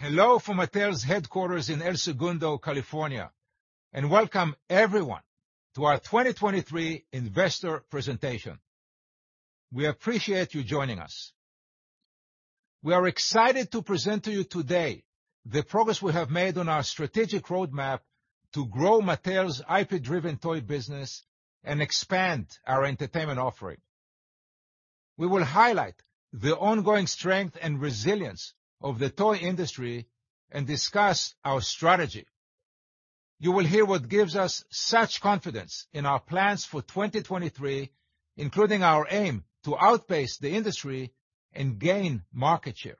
Hello from Mattel's headquarters in El Segundo, California. Welcome everyone to our 2023 investor presentation. We appreciate you joining us. We are excited to present to you today the progress we have made on our strategic roadmap to grow Mattel's IP-driven toy business and expand our entertainment offering. We will highlight the ongoing strength and resilience of the toy industry and discuss our strategy. You will hear what gives us such confidence in our plans for 2023, including our aim to outpace the industry and gain market share.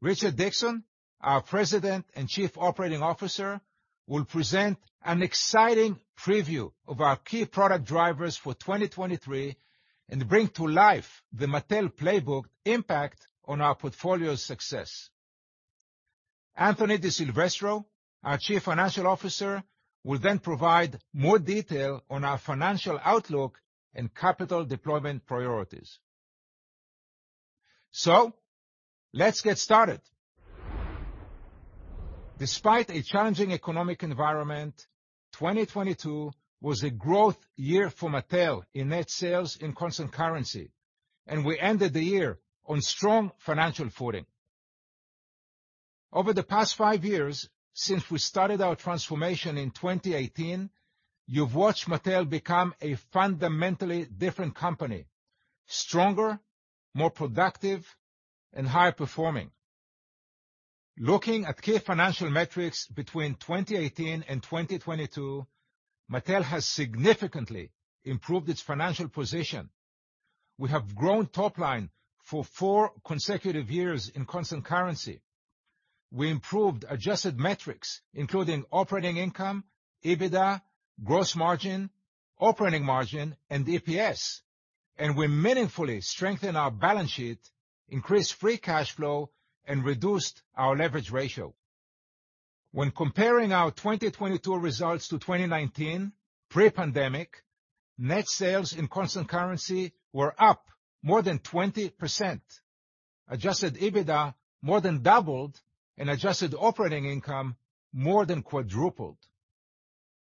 Richard Dickson, our President and Chief Operating Officer, will present an exciting preview of our key product drivers for 2023 and bring to life the Mattel Playbook impact on our portfolio's success. Anthony DiSilvestro, our Chief Financial Officer, will provide more detail on our financial outlook and capital deployment priorities. Let's get started. Despite a challenging economic environment, 2022 was a growth year for Mattel in net sales in constant currency, and we ended the year on strong financial footing. Over the past five years since we started our transformation in 2018, you've watched Mattel become a fundamentally different company, stronger, more productive, and higher performing. Looking at key financial metrics between 2018 and 2022, Mattel has significantly improved its financial position. We have grown top line for four consecutive years in constant currency. We improved adjusted metrics, including operating income, EBITDA, gross margin, operating margin, and EPS. We meaningfully strengthened our balance sheet, increased free cash flow, and reduced our leverage ratio. When comparing our 2022 results to 2019, pre-pandemic, net sales in constant currency were up more than 20%, Adjusted EBITDA more than doubled, and adjusted operating income more than quadrupled.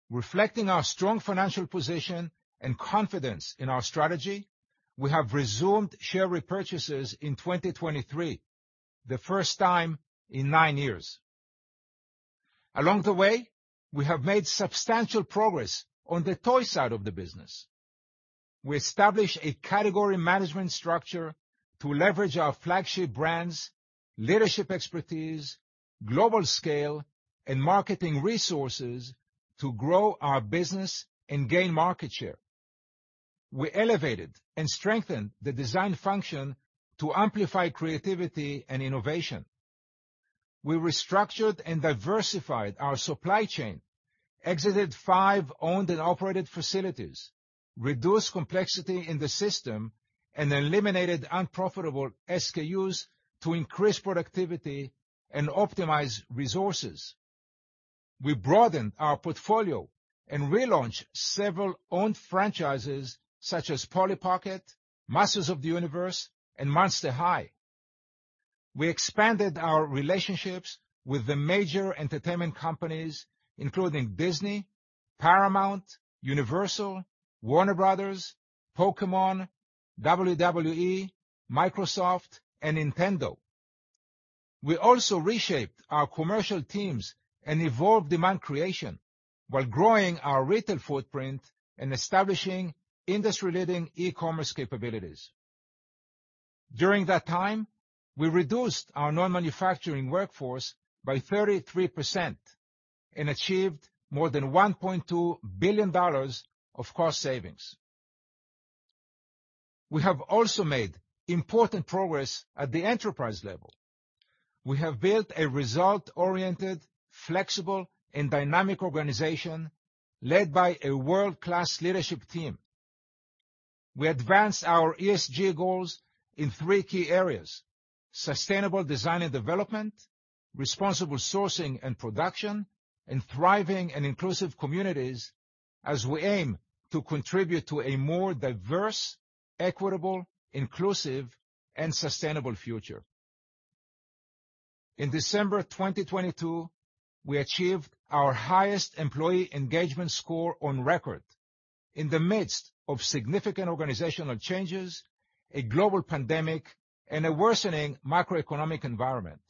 Reflecting our strong financial position and confidence in our strategy, we have resumed share repurchases in 2023, the first time in nine years. Along the way, we have made substantial progress on the toy side of the business. We established a category management structure to leverage our flagship brands, leadership expertise, global scale, and marketing resources to grow our business and gain market share. We elevated and strengthened the design function to amplify creativity and innovation. We restructured and diversified our supply chain, exited five owned and operated facilities, reduced complexity in the system, and eliminated unprofitable SKUs to increase productivity and optimize resources. We broadened our portfolio and relaunched several owned franchises such as Polly Pocket, Masters of the Universe, and Monster High. We expanded our relationships with the major entertainment companies, including Disney, Paramount, Universal, Warner Bros., Pokémon, WWE, Microsoft, and Nintendo. We also reshaped our commercial teams and evolved demand creation while growing our retail footprint and establishing industry-leading e-commerce capabilities. During that time, we reduced our non-manufacturing workforce by 33% and achieved more than $1.2 billion of cost savings. We have also made important progress at the enterprise level. We have built a result-oriented, flexible, and dynamic organization led by a world-class leadership team. We advanced our ESG goals in three key areas: sustainable design and development, responsible sourcing and production, and thriving and inclusive communities as we aim to contribute to a more diverse, equitable, inclusive, and sustainable future. In December 2022, we achieved our highest employee engagement score on record in the midst of significant organizational changes, a global pandemic, and a worsening macroeconomic environment.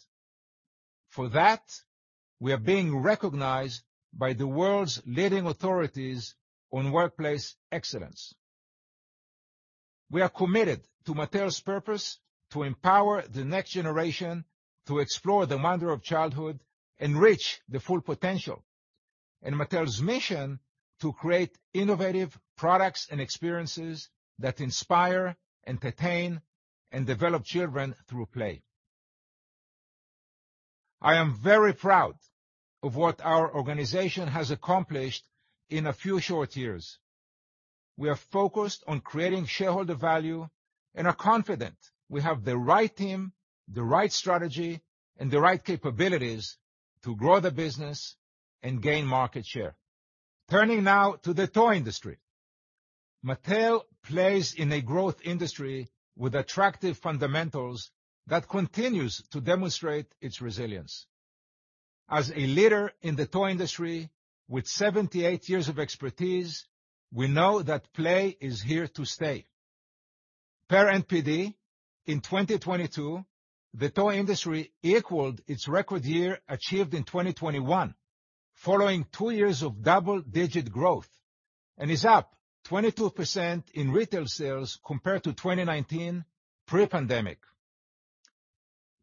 We are being recognized by the world's leading authorities on workplace excellence. We are committed to Mattel's purpose to empower the next generation to explore the wonder of childhood and reach the full potential, and Mattel's mission to create innovative products and experiences that inspire, entertain, and develop children through play. I am very proud of what our organization has accomplished in a few short years. We are focused on creating shareholder value and are confident we have the right team, the right strategy, and the right capabilities to grow the business and gain market share. Turning now to the toy industry. Mattel plays in a growth industry with attractive fundamentals that continues to demonstrate its resilience. As a leader in the toy industry with 78 years of expertise, we know that play is here to stay. Per NPD, in 2022, the toy industry equaled its record year achieved in 2021, following two years of double-digit growth, and is up 22% in retail sales compared to 2019 pre-pandemic.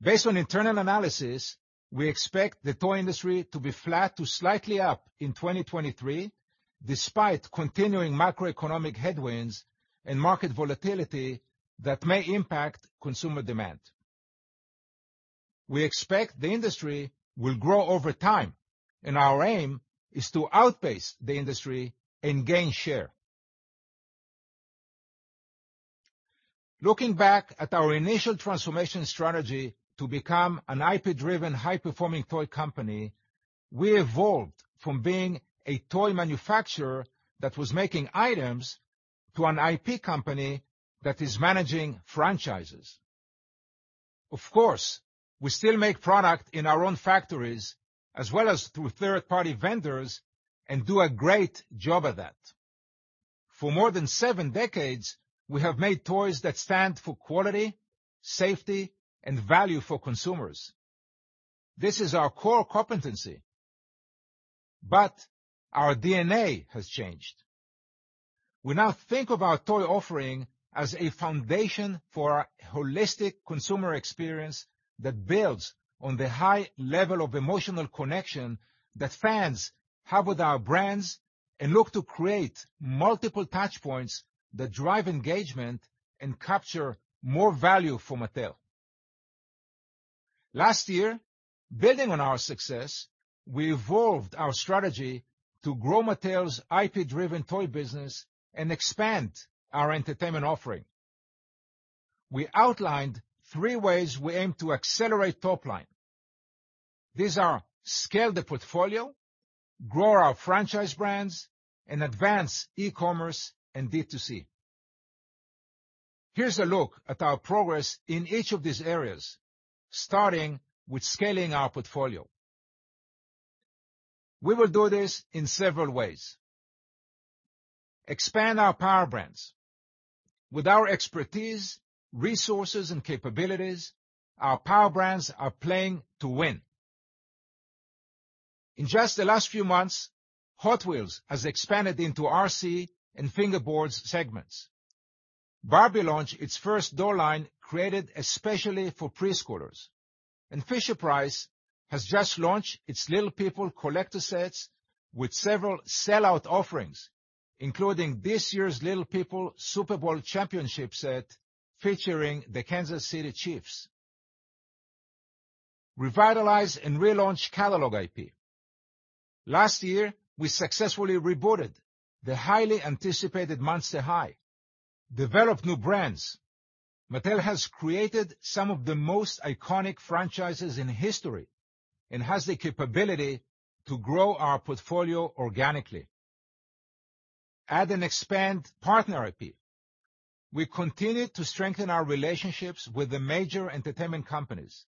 Based on internal analysis, we expect the toy industry to be flat to slightly up in 2023, despite continuing macroeconomic headwinds and market volatility that may impact consumer demand. We expect the industry will grow over time, and our aim is to outpace the industry and gain share. Looking back at our initial transformation strategy to become an IP-driven, high-performing toy company, we evolved from being a toy manufacturer that was making items to an IP company that is managing franchises. Of course, we still make product in our own factories as well as through third-party vendors and do a great job at that. For more than seven decades, we have made toys that stand for quality, safety and value for consumers. This is our core competency. Our D&A has changed. We now think of our toy offering as a foundation for our holistic consumer experience that builds on the high level of emotional connection that fans have with our brands and look to create multiple touchpoints that drive engagement and capture more value for Mattel. Last year, building on our success, we evolved our strategy to grow Mattel's IP-driven toy business and expand our entertainment offering. We outlined three ways we aim to accelerate top line. These are scale the portfolio, grow our franchise brands and advance e-commerce and D2C. Here's a look at our progress in each of these areas, starting with scaling our portfolio. We will do this in several ways. Expand our power brands. With our expertise, resources and capabilities, our power brands are playing to win. In just the last few months, Hot Wheels has expanded into RC and fingerboards segments. Barbie launched its first doll line created especially for preschoolers, and Fisher-Price has just launched its Little People Collector Sets with several sellout offerings, including this year's Little People Super Bowl championship set featuring the Kansas City Chiefs. Revitalize and relaunch catalog IP. Last year, we successfully rebooted the highly anticipated Monster High. Develop new brands. Mattel has created some of the most iconic franchises in history and has the capability to grow our portfolio organically. Add and expand partner IP. We continue to strengthen our relationships with the major entertainment companies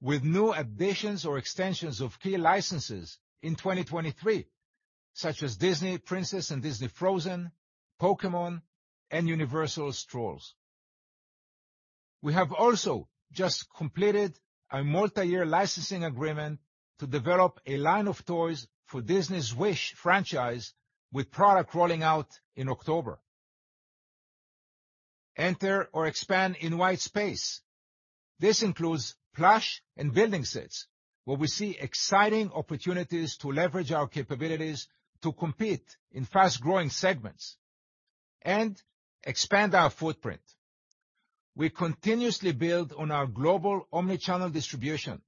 with new additions or extensions of key licenses in 2023, such as Disney Princess and Disney Frozen, Pokémon and Universal's Trolls. We have also just completed a multi-year licensing agreement to develop a line of toys for Disney's Wish franchise, with product rolling out in October. Enter or expand in white space. This includes plush and building sets, where we see exciting opportunities to leverage our capabilities to compete in fast-growing segments and expand our footprint. We continuously build on our global omnichannel distribution.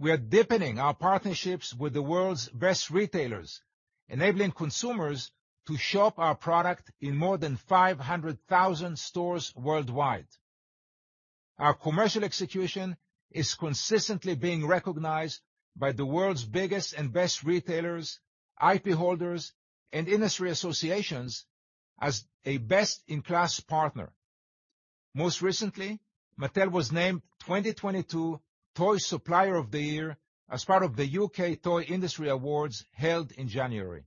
We are deepening our partnerships with the world's best retailers, enabling consumers to shop our product in more than 500,000 stores worldwide. Our commercial execution is consistently being recognized by the world's biggest and best retailers, IP holders and industry associations as a best-in-class partner. Most recently, Mattel was named 2022 toy supplier of the Year as part of the U.K. Toy Industry Awards held in January.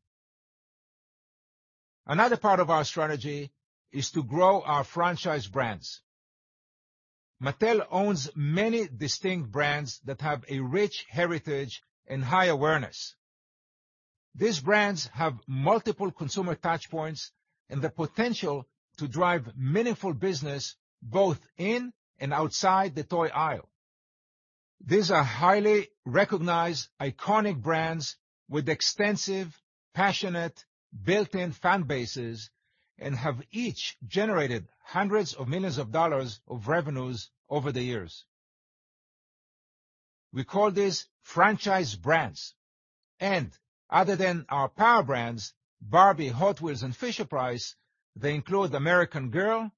Another part of our strategy is to grow our franchise brands. Mattel owns many distinct brands that have a rich heritage and high awareness. These brands have multiple consumer touch points and the potential to drive meaningful business both in and outside the toy aisle. These are highly recognized, iconic brands with extensive, passionate, built in fan bases and have each generated hundreds of millions of dollars of revenues over the years. We call this franchise brands and other than our power brands, Barbie, Hot Wheels and Fisher-Price, they include American Girl,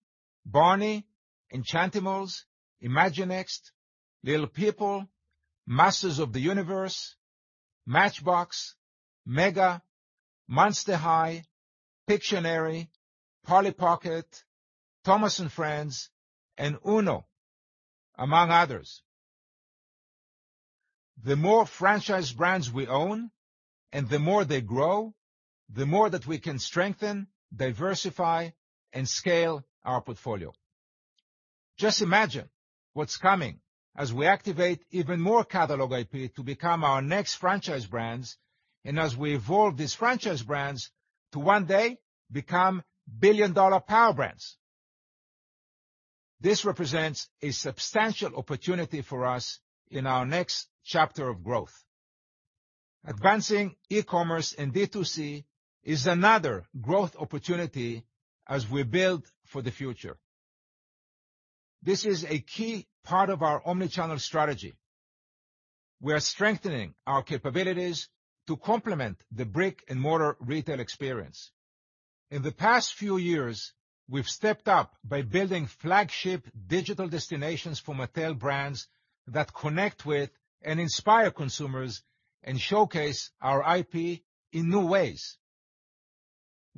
Barney, Enchantimals, Imaginext, Little People, Masters of the Universe, Matchbox, MEGA, Monster High, Pictionary, Polly Pocket, Thomas & Friends, and UNO, among others. The more franchise brands we own and the more they grow, the more that we can strengthen, diversify, and scale our portfolio. Just imagine what's coming as we activate even more catalog IP to become our next franchise brands and as we evolve these franchise brands to one day become billion-dollar power brands. This represents a substantial opportunity for us in our next chapter of growth. Advancing e-commerce and D2C is another growth opportunity as we build for the future. This is a key part of our omni-channel strategy. We are strengthening our capabilities to complement the brick-and-mortar retail experience. In the past few years, we've stepped up by building flagship digital destinations for Mattel brands that connect with and inspire consumers and showcase our IP in new ways.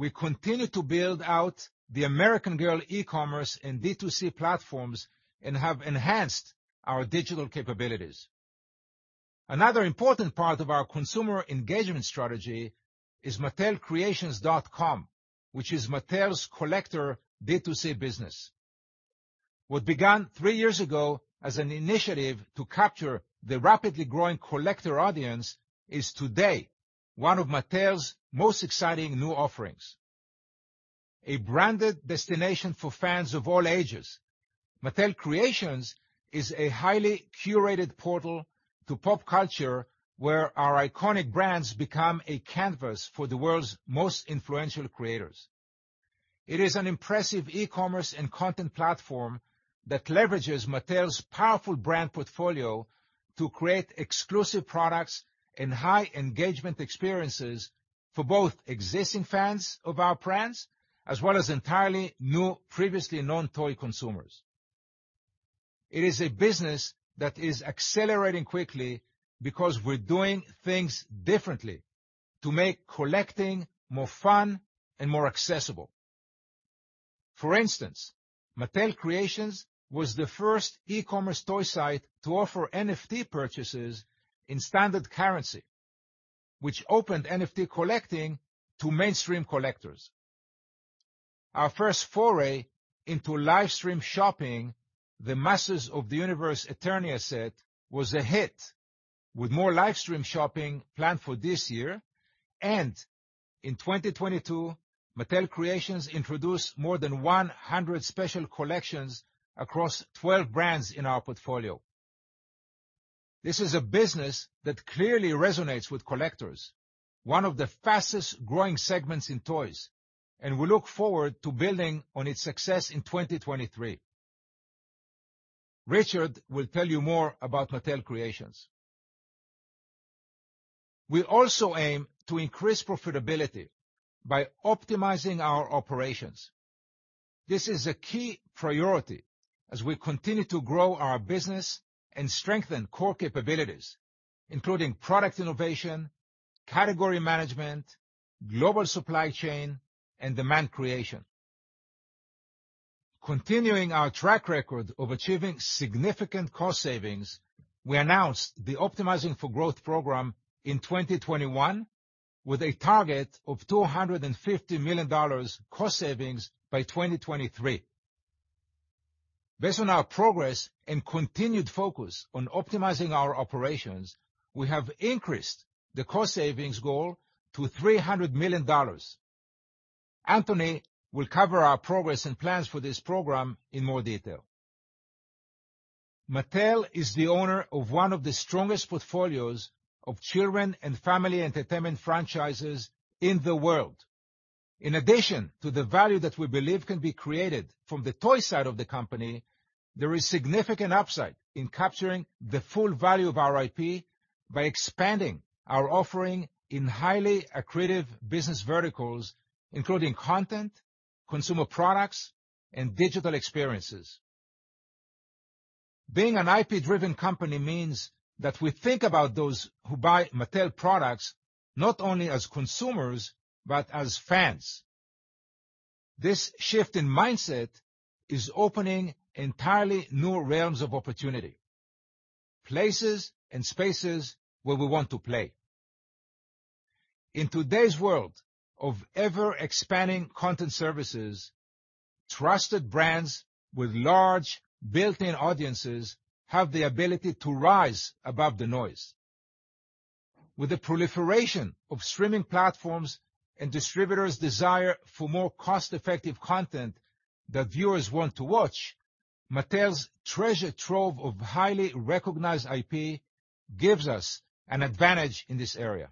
We continue to build out the American Girl e-commerce and D2C platforms and have enhanced our digital capabilities. Another important part of our consumer engagement strategy is mattelcreations.com, which is Mattel's collector D2C business. What began three years ago as an initiative to capture the rapidly growing collector audience is today one of Mattel's most exciting new offerings. A branded destination for fans of all ages, Mattel Creations is a highly curated portal to pop culture where our iconic brands become a canvas for the world's most influential creators. It is an impressive e-commerce and content platform that leverages Mattel's powerful brand portfolio to create exclusive products and high engagement experiences for both existing fans of our brands as well as entirely new, previously non-toy consumers. It is a business that is accelerating quickly because we're doing things differently to make collecting more fun and more accessible. For instance, Mattel Creations was the first e-commerce toy site to offer NFT purchases in standard currency, which opened NFT collecting to mainstream collectors. Our first foray into live stream shopping, the Masters of the Universe Eternia Set, was a hit, with more live stream shopping planned for this year. In 2022, Mattel Creations introduced more than 100 special collections across 12 brands in our portfolio. This is a business that clearly resonates with collectors, one of the fastest-growing segments in toys, and we look forward to building on its success in 2023. Richard will tell you more about Mattel Creations. We also aim to increase profitability by optimizing our operations. This is a key priority as we continue to grow our business and strengthen core capabilities, including product innovation, category management, global supply chain, and demand creation. Continuing our track record of achieving significant cost savings, we announced the Optimizing for Growth program in 2021 with a target of $250 million cost savings by 2023. Based on our progress and continued focus on optimizing our operations, we have increased the cost savings goal to $300 million. Anthony will cover our progress and plans for this program in more detail. Mattel is the owner of one of the strongest portfolios of children and family entertainment franchises in the world. In addition to the value that we believe can be created from the toy side of the company, there is significant upside in capturing the full value of our IP by expanding our offering in highly accretive business verticals, including content, consumer products, and digital experiences. Being an IP-driven company means that we think about those who buy Mattel products not only as consumers, but as fans. This shift in mindset is opening entirely new realms of opportunity, places and spaces where we want to play. In today's world of ever-expanding content services, trusted brands with large built-in audiences have the ability to rise above the noise. With the proliferation of streaming platforms and distributors' desire for more cost-effective content that viewers want to watch, Mattel's treasure trove of highly recognized IP gives us an advantage in this area.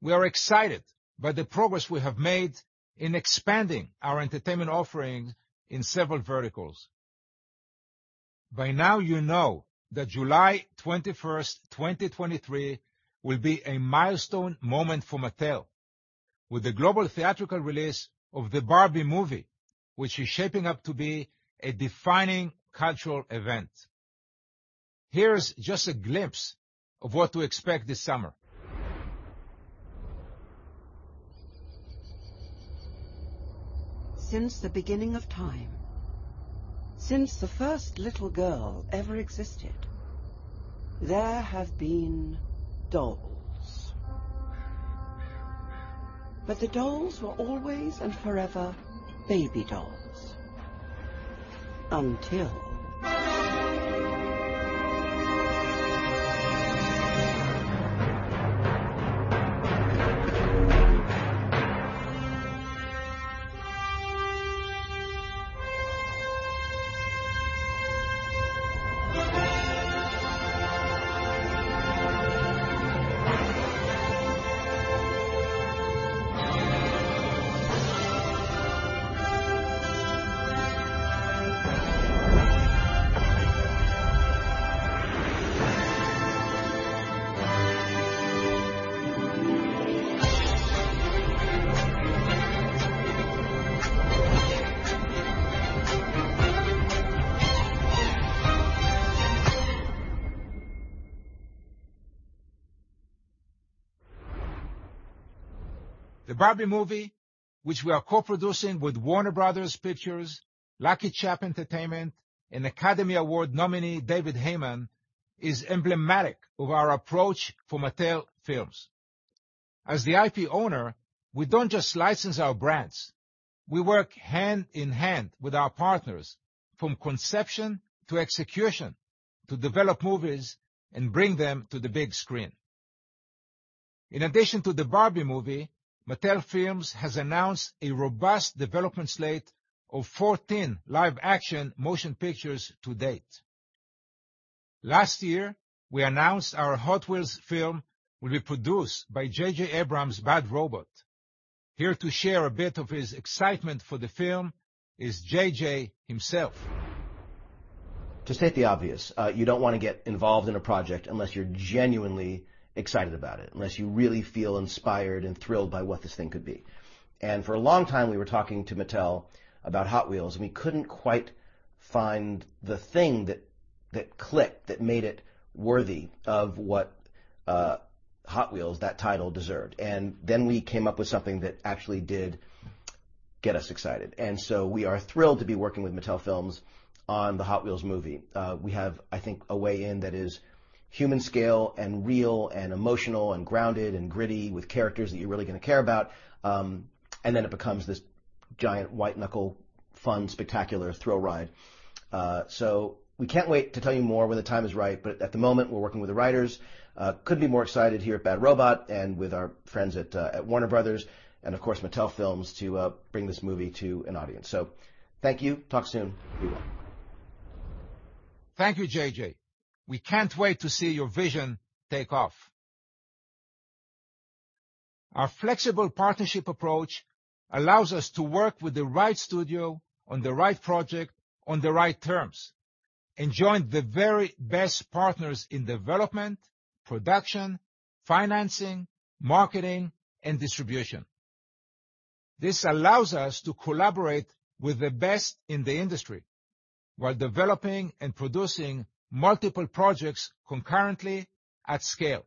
We are excited by the progress we have made in expanding our entertainment offerings in several verticals. By now you know that July 21, 2023 will be a milestone moment for Mattel with the global theatrical release of the Barbie movie, which is shaping up to be a defining cultural event. Here's just a glimpse of what to expect this summer. Since the beginning of time, since the first little girl ever existed, there have been dolls. The dolls were always and forever baby dolls until.. The Barbie movie, which we are co-producing with Warner Bros. Pictures, LuckyChap Entertainment, and Academy Award nominee David Heyman, is emblematic of our approach for Mattel Films. As the IP owner, we don't just license our brands. We work hand in hand with our partners from conception to execution to develop movies and bring them to the big screen. In addition to the Barbie movie, Mattel Films has announced a robust development slate of 14 live action motion pictures to date. Last year, we announced our Hot Wheels film will be produced by J.J. Abrams' Bad Robot. Here to share a bit of his excitement for the film is J.J. himself. To state the obvious, you don't wanna get involved in a project unless you're genuinely excited about it, unless you really feel inspired and thrilled by what this thing could be. For a long time, we were talking to Mattel about Hot Wheels, and we couldn't quite find the thing that clicked, that made it worthy of what Hot Wheels, that title deserved. We came up with something that actually did get us excited. We are thrilled to be working with Mattel Films on the Hot Wheels movie. We have, I think, a way in that is human scale and real and emotional and grounded and gritty with characters that you're really gonna care about, it becomes this giant white-knuckle, fun, spectacular thrill ride. We can't wait to tell you more when the time is right, but at the moment, we're working with the writers. Could be more excited here at Bad Robot and with our friends at Warner Bros. and, of course, Mattel Films to bring this movie to an audience. Thank you. Talk soon. Be well. Thank you, J.J. We can't wait to see your vision take off. Our flexible partnership approach allows us to work with the right studio on the right project on the right terms and join the very best partners in development, production, financing, marketing, and distribution. This allows us to collaborate with the best in the industry while developing and producing multiple projects concurrently at scale.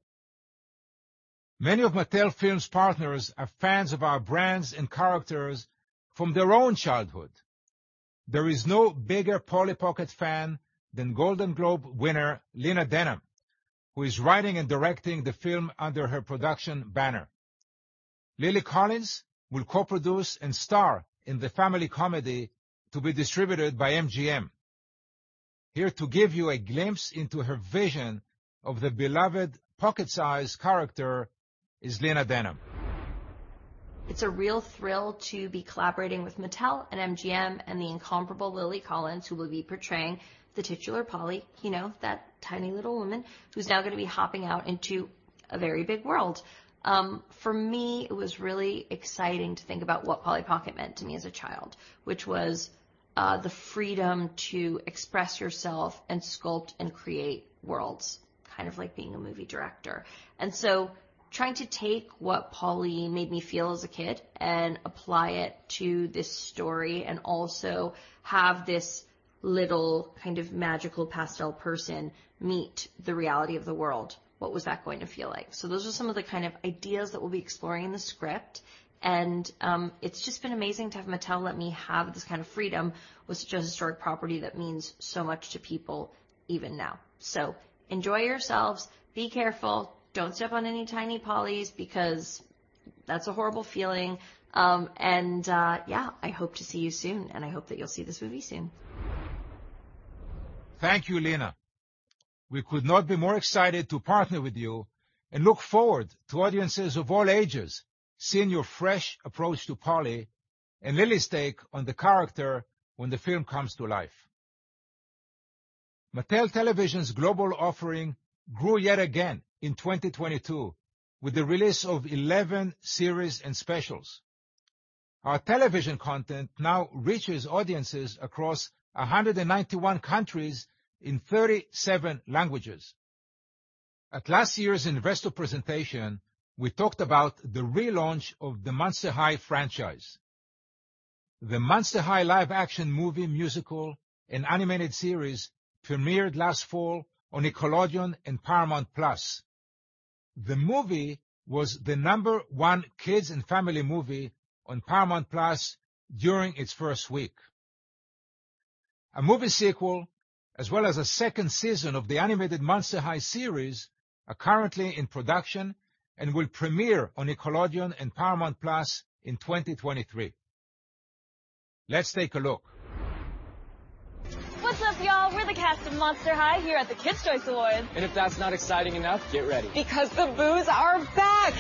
Many of Mattel Films partners are fans of our brands and characters from their own childhood. There is no bigger Polly Pocket fan than Golden Globe winner Lena Dunham, who is writing and directing the film under her production banner. Lily Collins will co-produce and star in the family comedy to be distributed by MGM. Here to give you a glimpse into her vision of the beloved pocket-sized character is Lena Dunham. It's a real thrill to be collaborating with Mattel and MGM and the incomparable Lily Collins, who will be portraying the titular Polly, you know, that tiny little woman who's now gonna be hopping out into a very big world. For me, it was really exciting to think about what Polly Pocket meant to me as a child, which was, the freedom to express yourself and sculpt and create worlds, kind of like being a movie director. Trying to take what Polly made me feel as a kid and apply it to this story and also have this little kind of magical pastel person meet the reality of the world, what was that going to feel like? Those are some of the kind of ideas that we'll be exploring in the script. It's just been amazing to have Mattel let me have this kind of freedom with such a historic property that means so much to people even now. Enjoy yourselves. Be careful. Don't step on any tiny Pollys because that's a horrible feeling. Yeah, I hope to see you soon, and I hope that you'll see this movie soon. Thank you, Lena. We could not be more excited to partner with you and look forward to audiences of all ages seeing your fresh approach to Polly Pocket and Lily's take on the character when the film comes to life. Mattel Television's global offering grew yet again in 2022 with the release of 11 series and specials. Our television content now reaches audiences across 191 countries in 37 languages. At last year's investor presentation, we talked about the relaunch of the Monster High franchise. The Monster High live action movie musical and animated series premiered last fall on Nickelodeon and Paramount+. The movie was the number one kids and family movie on Paramount+ during its first week. A movie sequel as well as a second season of the animated Monster High series are currently in production and will premiere on Nickelodeon and Paramount+ in 2023. Let's take a look. What's up, y'all? We're the cast of Monster High here at the Kids' Choice Awards. If that's not exciting enough, get ready. The boos are back.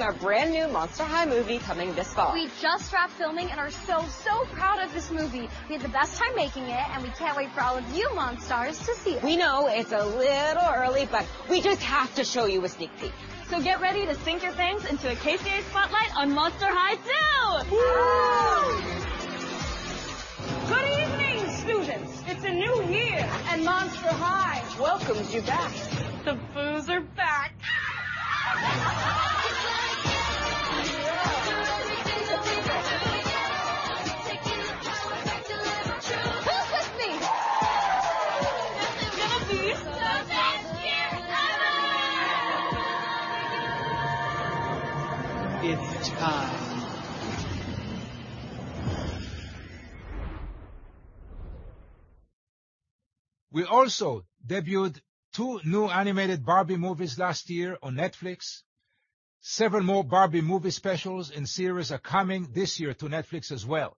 Our brand-new Monster High movie coming this fall. We just wrapped filming and are so proud of this movie. We had the best time making it, and we can't wait for all of you Monstars to see it. We know it's a little early, but we just have to show you a sneak peek. Get ready to sink your fangs into a KCA spotlight on Monster High 2. Whoo! Good evening, students. It's a new year, and Monster High welcomes you back. The boos are back. Yeah. Do what you do, be who you are. Yeah. Take control and start to live true. Who's with me? It's gonna be... The best year ever! It's time. We also debuted two new animated Barbie movies last year on Netflix. Several more Barbie movie specials and series are coming this year to Netflix as well,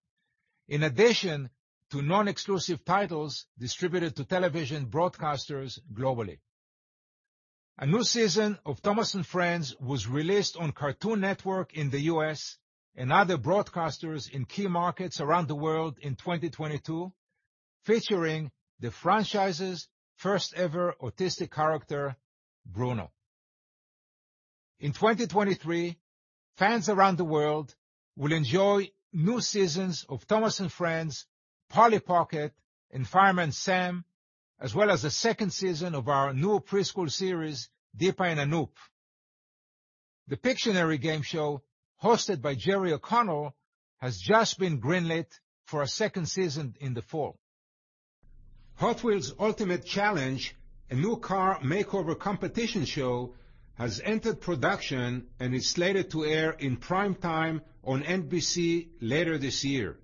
in addition to non-exclusive titles distributed to television broadcasters globally. A new season of Thomas & Friends was released on Cartoon Network in the U.S. and other broadcasters in key markets around the world in 2022, featuring the franchise's first ever autistic character, Bruno. In 2023, fans around the world will enjoy new seasons of Thomas & Friends, Polly Pocket, and Fireman Sam, as well as a second season of our new preschool series Deepa & Anoop. The Pictionary game show hosted by Jerry O'Connell has just been greenlit for a second season in the fall. Hot Wheels: Ultimate Challenge, a new car makeover competition show, has entered production and is slated to air in primetime on NBC later this year.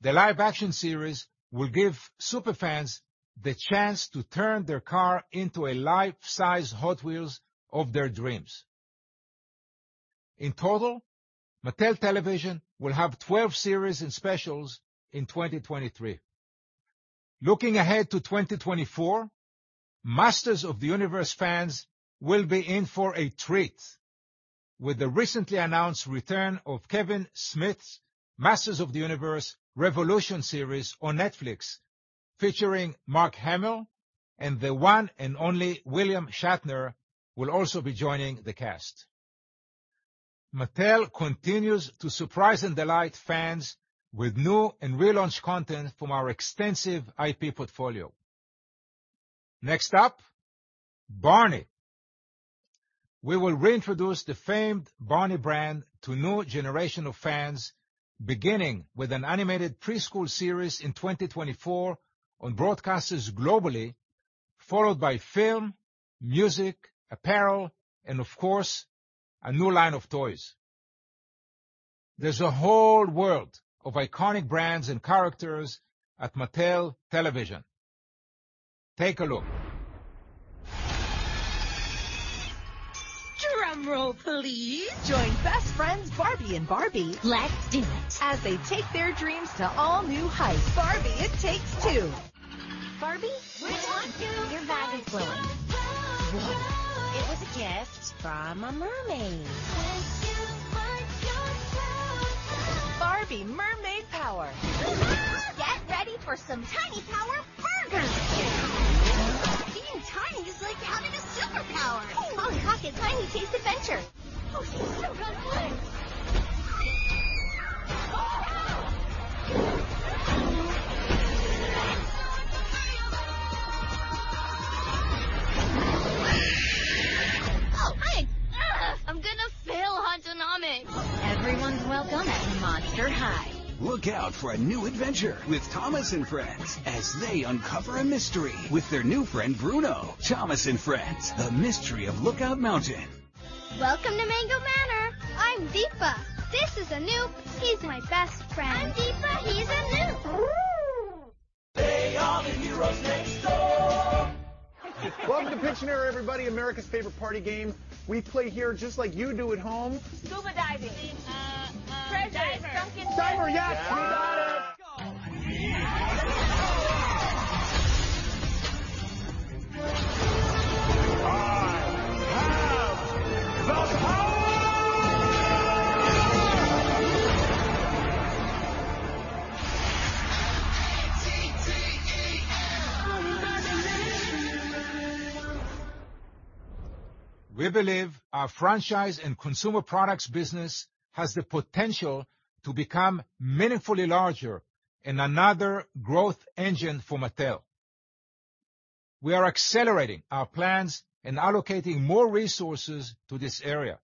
The live action series will give super fans the chance to turn their car into a life-size Hot Wheels of their dreams. In total, Mattel Television will have 12 series and specials in 2023. Looking ahead to 2024, Masters of the Universe fans will be in for a treat with the recently announced return of Kevin Smith's Masters of the Universe: Revolution series on Netflix featuring Mark Hamill, and the one and only William Shatner will also be joining the cast. Mattel continues to surprise and delight fans with new and relaunched content from our extensive IP portfolio. Next up, Barney. We will reintroduce the famed Barney brand to a new generation of fans, beginning with an animated preschool series in 2024 on broadcasters globally, followed by film, music, apparel, and of course, a new line of toys. There's a whole world of iconic brands and characters at Mattel Television. Take a look. Drum roll, please. Join best friends Barbie and Barbie... Let's do it as they take their dreams to all new heights. Barbie: It Takes two. Barbie, wait up. Your bag is ripped. Where you find your crown. It was a gift from a mermaid. Where you find your crown. Barbie Mermaid Power. Get ready for some tiny power purr-fery. Being tiny is like having a superpower. Hey, monkey pockets, time we chase adventure. Oh, she's so gonna flip. Oh, hi. Ugh, I'm gonna fail Hauntonomics. Everyone's welcome at Monster High. Look out for a new adventure with Thomas & Friends as they uncover a mystery with their new friend Bruno. Thomas & Friends: The Mystery of Lookout Mountain. Welcome to Mango Manor. I'm Deepa. This is Anoop. He's my best friend. I'm Deepa. He's Anoop. Ooh. They are the heroes next door. Welcome to Pictionary, everybody, America's favorite party game. We play here just like you do at home. Scuba diving. Diver. Treasure, sunken treasure. Diver, yes, you got it. Let's go. I have the power. I-M-A-G-I-N-A-T-I-O-N. Imagination. We believe our franchise and consumer products business has the potential to become meaningfully larger and another growth engine for Mattel. We are accelerating our plans and allocating more resources to this area.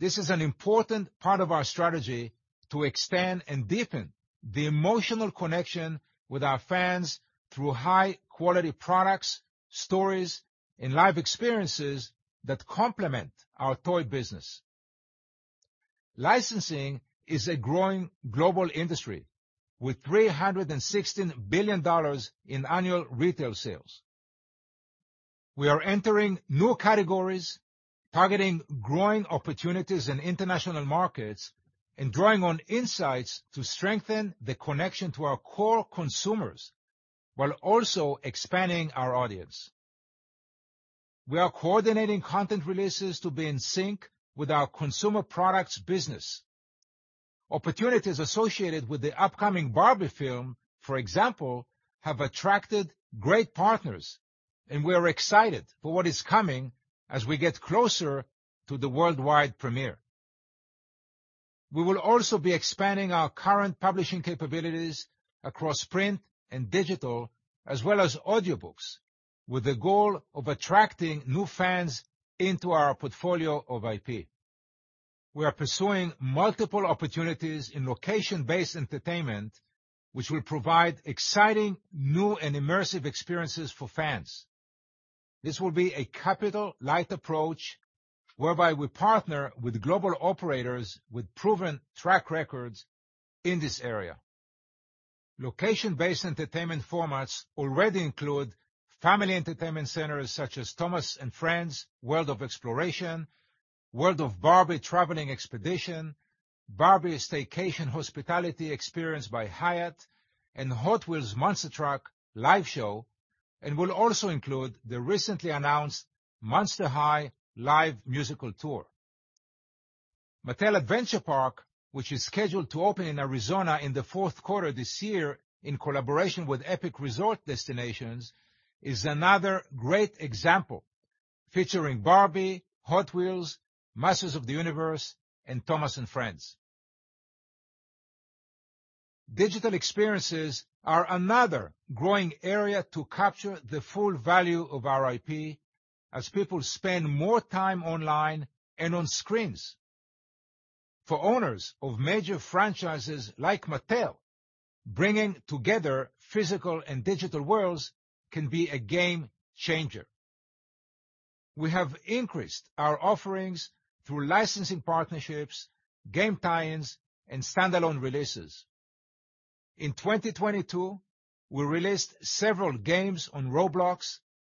This is an important part of our strategy to expand and deepen the emotional connection with our fans through high quality products, stories, and life experiences that complement our toy business. Licensing is a growing global industry with $316 billion in annual retail sales. We are entering new categories, targeting growing opportunities in international markets and drawing on insights to strengthen the connection to our core consumers while also expanding our audience. We are coordinating content releases to be in sync with our consumer products business. Opportunities associated with the upcoming Barbie movie, for example, have attracted great partners and we are excited for what is coming as we get closer to the worldwide premiere. We will also be expanding our current publishing capabilities across print and digital, as well as audiobooks, with the goal of attracting new fans into our portfolio of IP. We are pursuing multiple opportunities in location-based entertainment, which will provide exciting, new and immersive experiences for fans. This will be a capital-light approach whereby we partner with global operators with proven track records in this area. Location-based entertainment formats already include family entertainment centers such as Thomas & Friends World of Exploration, World of Barbie Travelling Expedition, Staycation Hospitality Experience by Hyatt, and the Hot Wheels Monster Trucks Live, and will also include the recently announced Monster High live musical tour. Mattel Adventure Park, which is scheduled to open in Arizona in the fourth quarter this year in collaboration with EPIC Resort Destinations, is another great example, featuring Barbie, Hot Wheels, Masters of the Universe and Thomas & Friends. Digital experiences are another growing area to capture the full value of our IP as people spend more time online and on screens. For owners of major franchises like Mattel, bringing together physical and digital worlds can be a game changer. We have increased our offerings through licensing partnerships, game tie-ins and standalone releases. In 2022, we released several games on Roblox,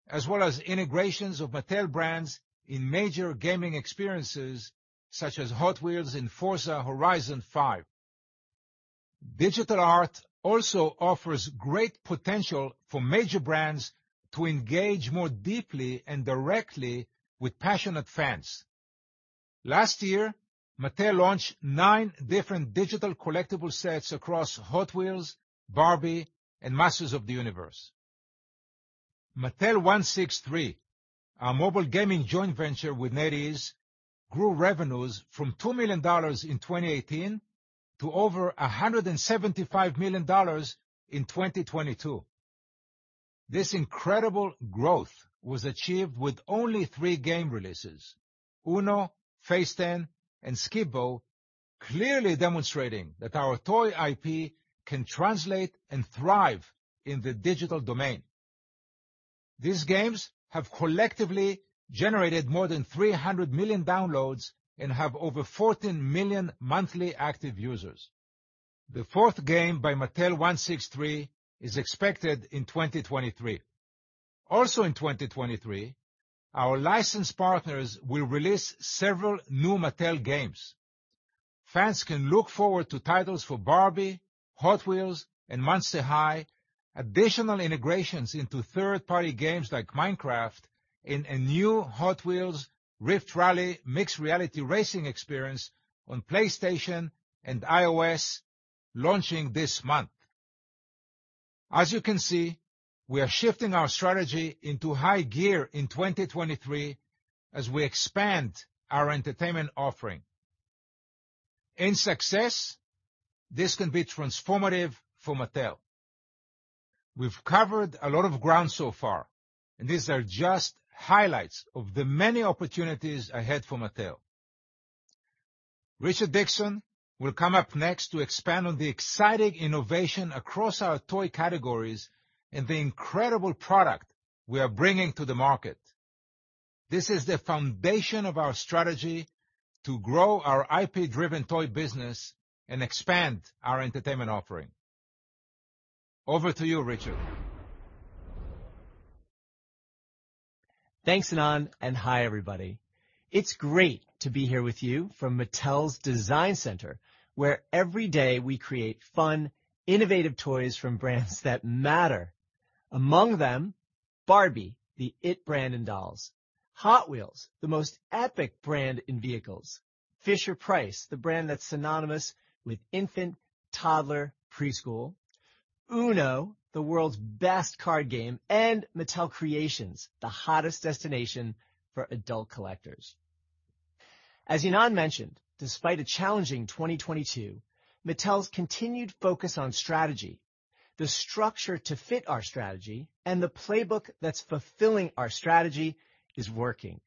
as well as integrations of Mattel brands in major gaming experiences such as Hot Wheels and Forza Horizon 5. Digital art also offers great potential for major brands to engage more deeply and directly with passionate fans. Last year, Mattel launched nine different digital collectible sets across Hot Wheels, Barbie and Masters of the Universe. Mattel163, our mobile gaming joint venture with NetEase, grew revenues from $2 million in 2018 to over $175 million in 2022. This incredible growth was achieved with only three game releases, UNO, Phase 10, and Skip Bo, clearly demonstrating that our toy IP can translate and thrive in the digital domain. These games have collectively generated more than 300 million downloads and have over 14 million monthly active users. The fourth game by Mattel163 is expected in 2023. In 2023, our licensed partners will release several new Mattel games. Fans can look forward to titles for Barbie, Hot Wheels, and Monster High, additional integrations into third-party games like Minecraft and a new Hot Wheels Rift Rally mixed reality racing experience on PlayStation and iOS launching this month. As you can see, we are shifting our strategy into high gear in 2023 as we expand our entertainment offering. In success, this can be transformative for Mattel. We've covered a lot of ground so far, and these are just highlights of the many opportunities ahead for Mattel. Richard Dickson will come up next to expand on the exciting innovation across our toy categories and the incredible product we are bringing to the market. This is the foundation of our strategy to grow our IP-driven toy business and expand our entertainment offering. Over to you, Richard. Thanks, Ynon. Hi, everybody. It's great to be here with you from Mattel's design center, where every day we create fun, innovative toys from brands that matter. Among them, Barbie, the it brand in dolls, Hot Wheels, the most epic brand in vehicles. Fisher-Price, the brand that's synonymous with infant, toddler, preschool, UNO, the world's best card game, and Mattel Creations, the hottest destination for adult collectors. As Ynon mentioned, despite a challenging 2022, Mattel's continued focus on strategy, the structure to fit our strategy and the playbook that's fulfilling our strategy is working.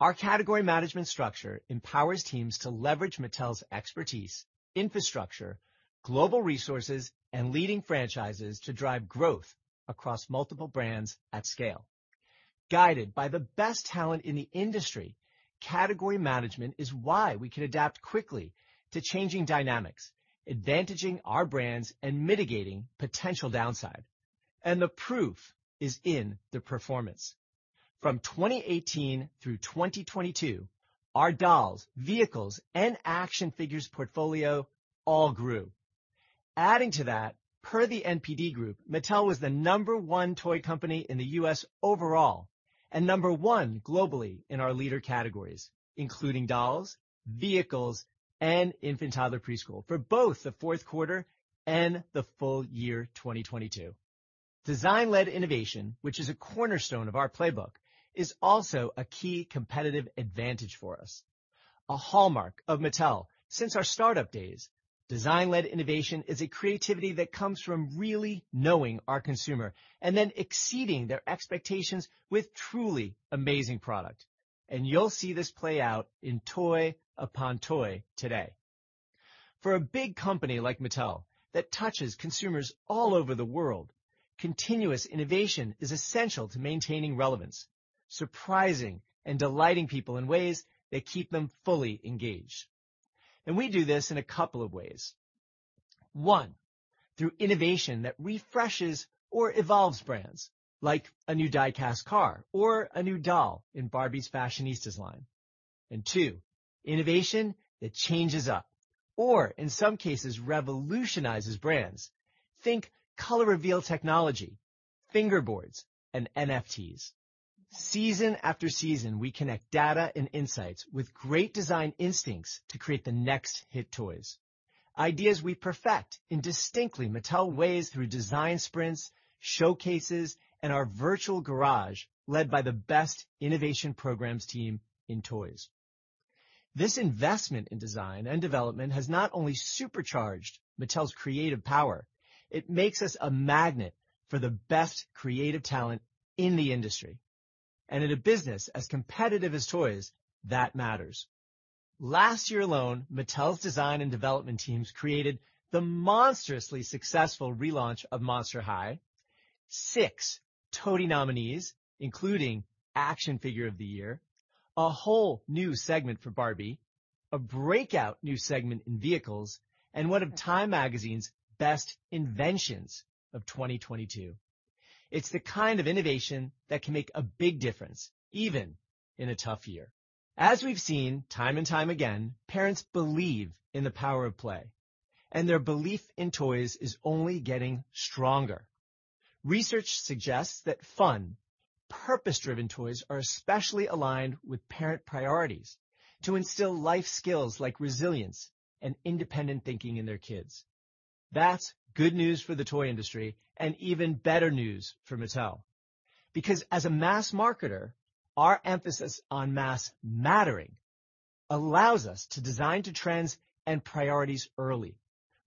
Our category management structure empowers teams to leverage Mattel's expertise, infrastructure, global resources, and leading franchises to drive growth across multiple brands at scale. Guided by the best talent in the industry, category management is why we can adapt quickly to changing dynamics, advantaging our brands and mitigating potential downside. The proof is in the performance. From 2018 through 2022, our dolls, vehicles, and action figures portfolio all grew. Adding to that, per The NPD Group, Mattel was the number one toy company in the U.S. overall and number one globally in our leader categories, including dolls, vehicles, and infant, toddler, preschool for both the fourth quarter and the full year 2022. Design-led innovation, which is a cornerstone of our Playbook, is also a key competitive advantage for us. A hallmark of Mattel since our startup days, design-led innovation is a creativity that comes from really knowing our consumer and then exceeding their expectations with truly amazing product. You'll see this play out in toy upon toy today. For a big company like Mattel that touches consumers all over the world, continuous innovation is essential to maintaining relevance, surprising and delighting people in ways that keep them fully engaged. We do this in a couple of ways. One, through innovation that refreshes or evolves brands, like a new die-cast car or a new doll in Barbie's Fashionistas line. Two, innovation that changes up or, in some cases, revolutionizes brands. Think color reveal technology, Fingerboards, and NFTs. Season after season, we connect data and insights with great design instincts to create the next hit toys, ideas we perfect in distinctly Mattel ways through design sprints, showcases, and our virtual garage, led by the best innovation programs team in toys. This investment in design and development has not only supercharged Mattel's creative power, it makes us a magnet for the best creative talent in the industry. In a business as competitive as toys, that matters. Last year alone, Mattel's design and development teams created the monstrously successful relaunch of Monster High, six TOTY nominees, including Action Figure of the Year, a whole new segment for Barbie, a breakout new segment in vehicles, and one of Time Magazine's best inventions of 2022. It's the kind of innovation that can make a big difference, even in a tough year. We've seen time and time again, parents believe in the power of play, and their belief in toys is only getting stronger. Research suggests that fun, purpose-driven toys are especially aligned with parent priorities to instill life skills like resilience and independent thinking in their kids. That's good news for the toy industry and even better news for Mattel. Because as a mass marketer, our emphasis on mass mattering allows us to design to trends and priorities early,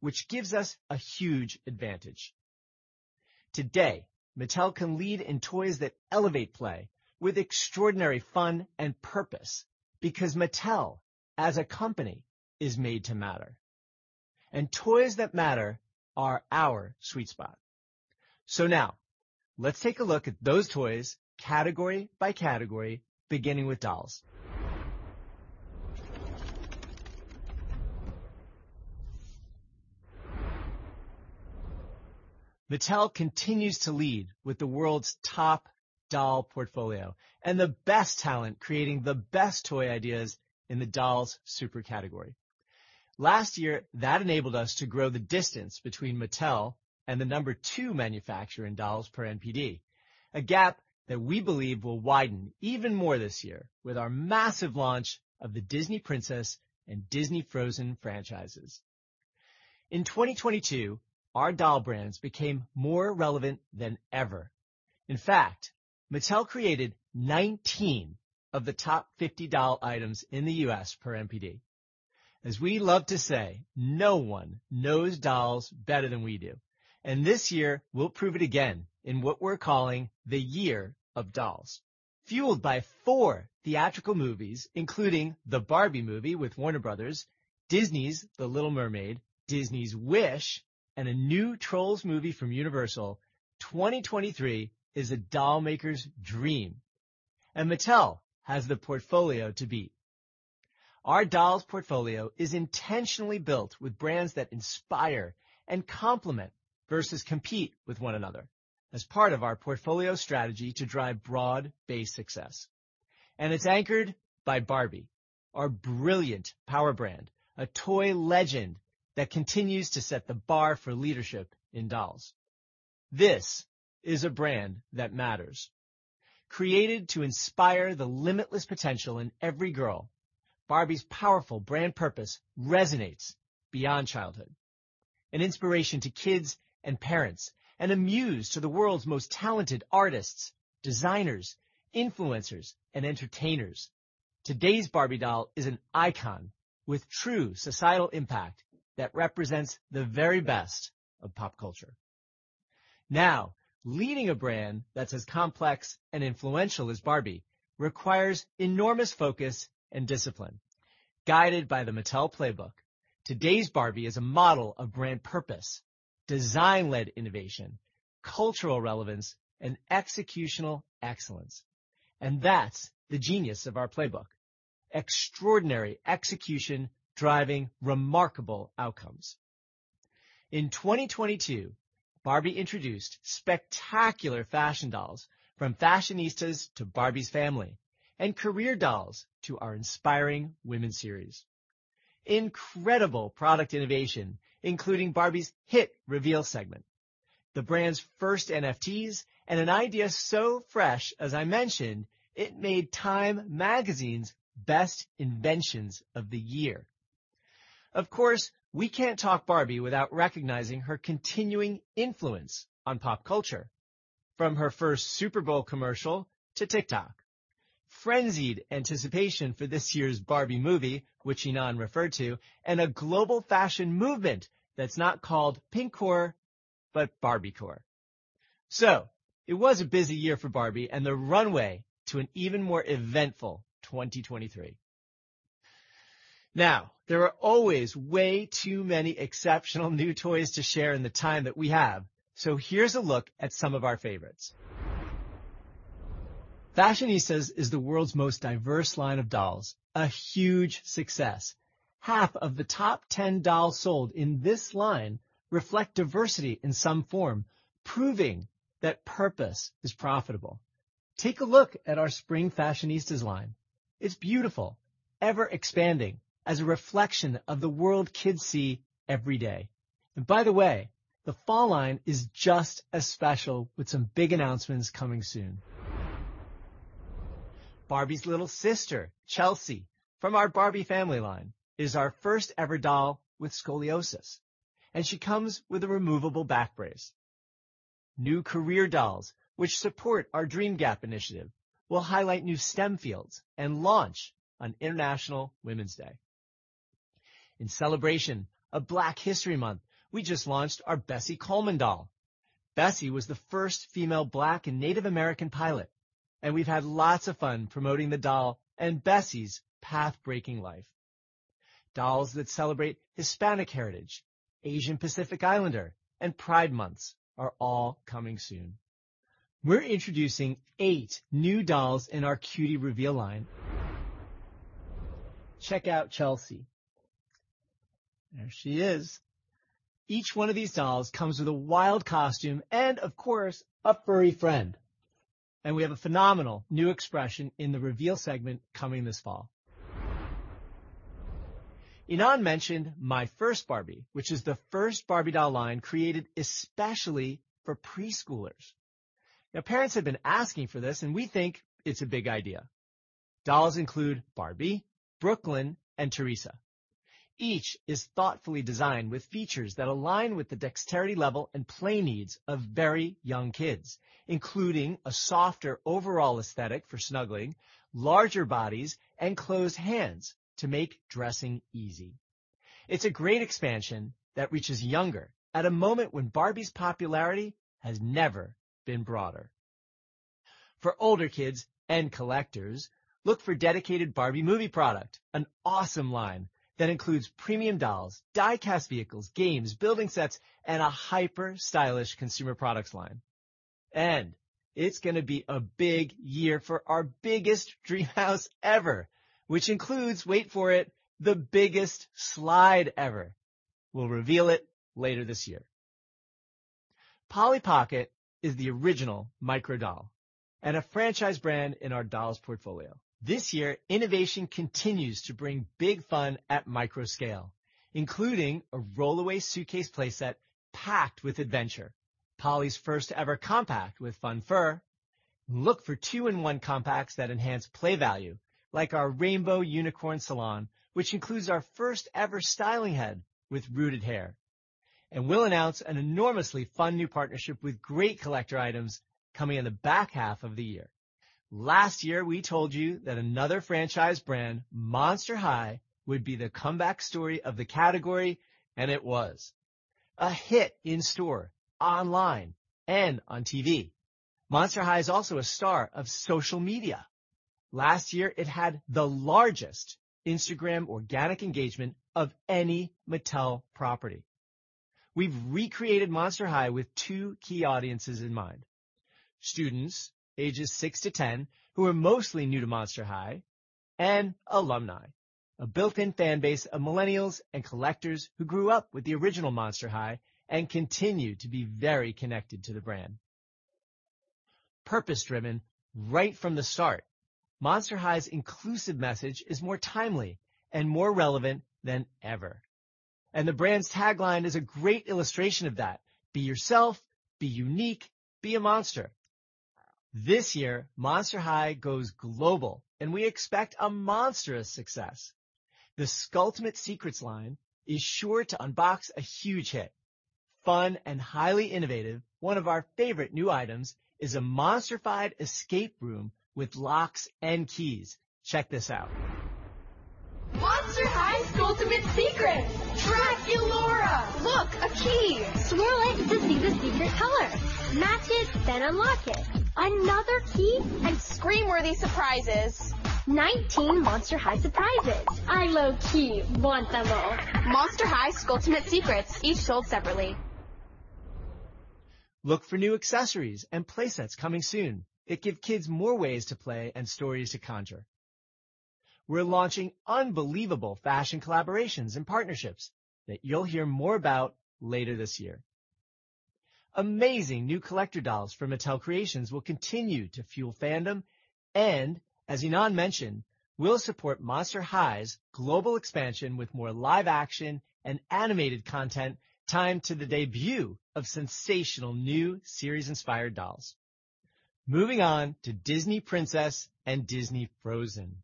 which gives us a huge advantage. Today, Mattel can lead in toys that elevate play with extraordinary fun and purpose because Mattel, as a company, is made to matter. Toys that matter are our sweet spot. Now let's take a look at those toys category by category, beginning with dolls. Mattel continues to lead with the world's top doll portfolio and the best talent creating the best toy ideas in the dolls super category. Last year, that enabled us to grow the distance between Mattel and the number two manufacturer in dolls per NPD, a gap that we believe will widen even more this year with our massive launch of the Disney Princess and Disney Frozen franchises. In 2022, our doll brands became more relevant than ever. In fact, Mattel created 19 of the top 50 doll items in the U.S. per NPD. As we love to say, no one knows dolls better than we do, and this year we'll prove it again in what we're calling the year of dolls. Fueled by four theatrical movies, including the Barbie movie with Warner Bros., Disney's The Little Mermaid, Disney's Wish, and a new Trolls movie from Universal, 2023 is a doll maker's dream, and Mattel has the portfolio to beat. Our dolls portfolio is intentionally built with brands that inspire and complement versus compete with one another as part of our portfolio strategy to drive broad-based success. It's anchored by Barbie, our brilliant power brand, a toy legend that continues to set the bar for leadership in dolls. This is a brand that matters. Created to inspire the limitless potential in every girl, Barbie's powerful brand purpose resonates beyond childhood. An inspiration to kids and parents, and a muse to the world's most talented artists, designers, influencers, and entertainers. Today's Barbie doll is an icon with true societal impact that represents the very best of pop culture. Now, leading a brand that's as complex and influential as Barbie requires enormous focus and discipline. Guided by the Mattel Playbook, today's Barbie is a model of brand purpose, design-led innovation, cultural relevance, and executional excellence. That's the genius of our playbook. Extraordinary execution driving remarkable outcomes. In 2022, Barbie introduced spectacular fashion dolls from Fashionistas to Barbie's family and career dolls to our inspiring women series. Incredible product innovation, including Barbie's hit reveal segment, the brand's first NFTs, and an idea so fresh, as I mentioned, it made Time Magazine's best inventions of the year. Of course, we can't talk Barbie without recognizing her continuing influence on pop culture, from her first Super Bowl commercial to TikTok, frenzied anticipation for this year's Barbie movie, which Ynon referred to, and a global fashion movement that's not called Pinkcore, but Barbiecore. It was a busy year for Barbie and the runway to an even more eventful 2023. Now, there are always way too many exceptional new toys to share in the time that we have. Here's a look at some of our favorites. Fashionistas is the world's most diverse line of dolls, a huge success. Half of the top 10 dolls sold in this line reflect diversity in some form, proving that purpose is profitable. Take a look at our spring Fashionistas line. It's beautiful, ever-expanding as a reflection of the world kids see every day. By the way, the fall line is just as special with some big announcements coming soon. Barbie's little sister, Chelsea, from our Barbie family line, is our first ever doll with scoliosis, and she comes with a removable back brace. New career dolls, which support our Dream Gap initiative, will highlight new STEM fields and launch on International Women's Day. In celebration of Black History Month, we just launched our Bessie Coleman doll. Bessie was the first female Black and Native American pilot, and we've had lots of fun promoting the doll and Bessie's path-breaking life. Dolls that celebrate Hispanic heritage, Asian Pacific Islander, and Pride Month are all coming soon. We're introducing eight new dolls in our Cutie Reveal line. Check out Chelsea. There she is. Each one of these dolls comes with a wild costume and, of course, a furry friend. We have a phenomenal new expression in the Reveal segment coming this fall. Ynon mentioned My First Barbie, which is the first Barbie doll line created especially for preschoolers. Parents have been asking for this, and we think it's a big idea. Dolls include Barbie, Brooklyn, and Teresa. Each is thoughtfully designed with features that align with the dexterity level and play needs of very young kids, including a softer overall aesthetic for snuggling, larger bodies, and closed hands to make dressing easy. It's a great expansion that reaches younger at a moment when Barbie's popularity has never been broader. For older kids and collectors, look for dedicated Barbie movie product, an awesome line that includes premium dolls, die-cast vehicles, games, building sets, and a hyper-stylish consumer products line. It's gonna be a big year for our biggest Dreamhouse ever, which includes, wait for it, the biggest slide ever. We'll reveal it later this year. Polly Pocket is the original micro doll and a franchise brand in our dolls portfolio. This year, innovation continues to bring big fun at micro scale, including a rollaway suitcase playset packed with adventure. Polly's first ever compact with fun fur. Look for two-in-one compacts that enhance play value, like our Rainbow Unicorn Salon, which includes our first ever styling head with rooted hair. We'll announce an enormously fun new partnership with great collector items coming in the back half of the year. Last year, we told you that another franchise brand, Monster High, would be the comeback story of the category, and it was. A hit in store, online, and on TV. Monster High is also a star of social media. Last year, it had the largest Instagram organic engagement of any Mattel property. We've recreated Monster High with two key audiences in mind: students ages six to 10 who are mostly new to Monster High, and alumni, a built-in fan base of millennials and collectors who grew up with the original Monster High and continue to be very connected to the brand. Purpose-driven right from the start. Monster High's inclusive message is more timely and more relevant than ever. The brand's tagline is a great illustration of that: "Be yourself, be unique, be a monster." This year, Monster High goes global, and we expect a monstrous success. The Skulltimate Secrets line is sure to unbox a huge hit. Fun and highly innovative, one of our favorite new items is a monster-fied escape room with locks and keys. Check this out. Monster High Skulltimate Secrets. Draculaura. Look, a key. Swirl it to see the secret color. Match it, unlock it. Another key? Scream-worthy surprises. 19 Monster High surprises. I low-key want them all. Monster High Skulltimate Secrets, each sold separately. Look for new accessories and play sets coming soon that give kids more ways to play and stories to conjure. We're launching unbelievable fashion collaborations and partnerships that you'll hear more about later this year. Amazing new collector dolls from Mattel Creations will continue to fuel fandom, and as Ynon mentioned, we'll support Monster High's global expansion with more live action and animated content timed to the debut of sensational new series-inspired dolls. Moving on to Disney Princess and Disney Frozen.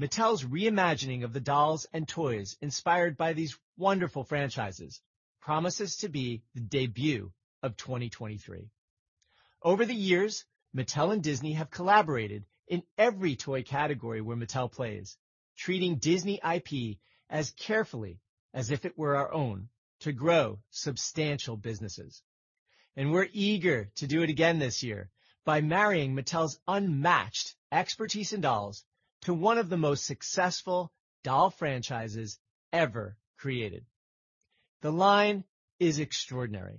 Mattel's re-imagining of the dolls and toys inspired by these wonderful franchises promises to be the debut of 2023. Over the years, Mattel and Disney have collaborated in every toy category where Mattel plays, treating Disney IP as carefully as if it were our own to grow substantial businesses. We're eager to do it again this year by marrying Mattel's unmatched expertise in dolls to one of the most successful doll franchises ever created. The line is extraordinary.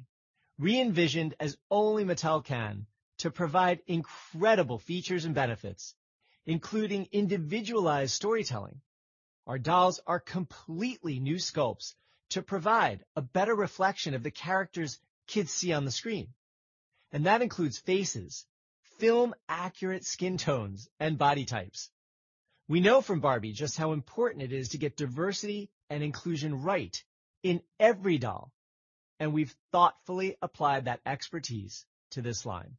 Re-envisioned as only Mattel can to provide incredible features and benefits, including individualized storytelling. Our dolls are completely new sculpts to provide a better reflection of the characters kids see on the screen. That includes faces, film-accurate skin tones, and body types. We know from Barbie just how important it is to get diversity and inclusion right in every doll, and we've thoughtfully applied that expertise to this line.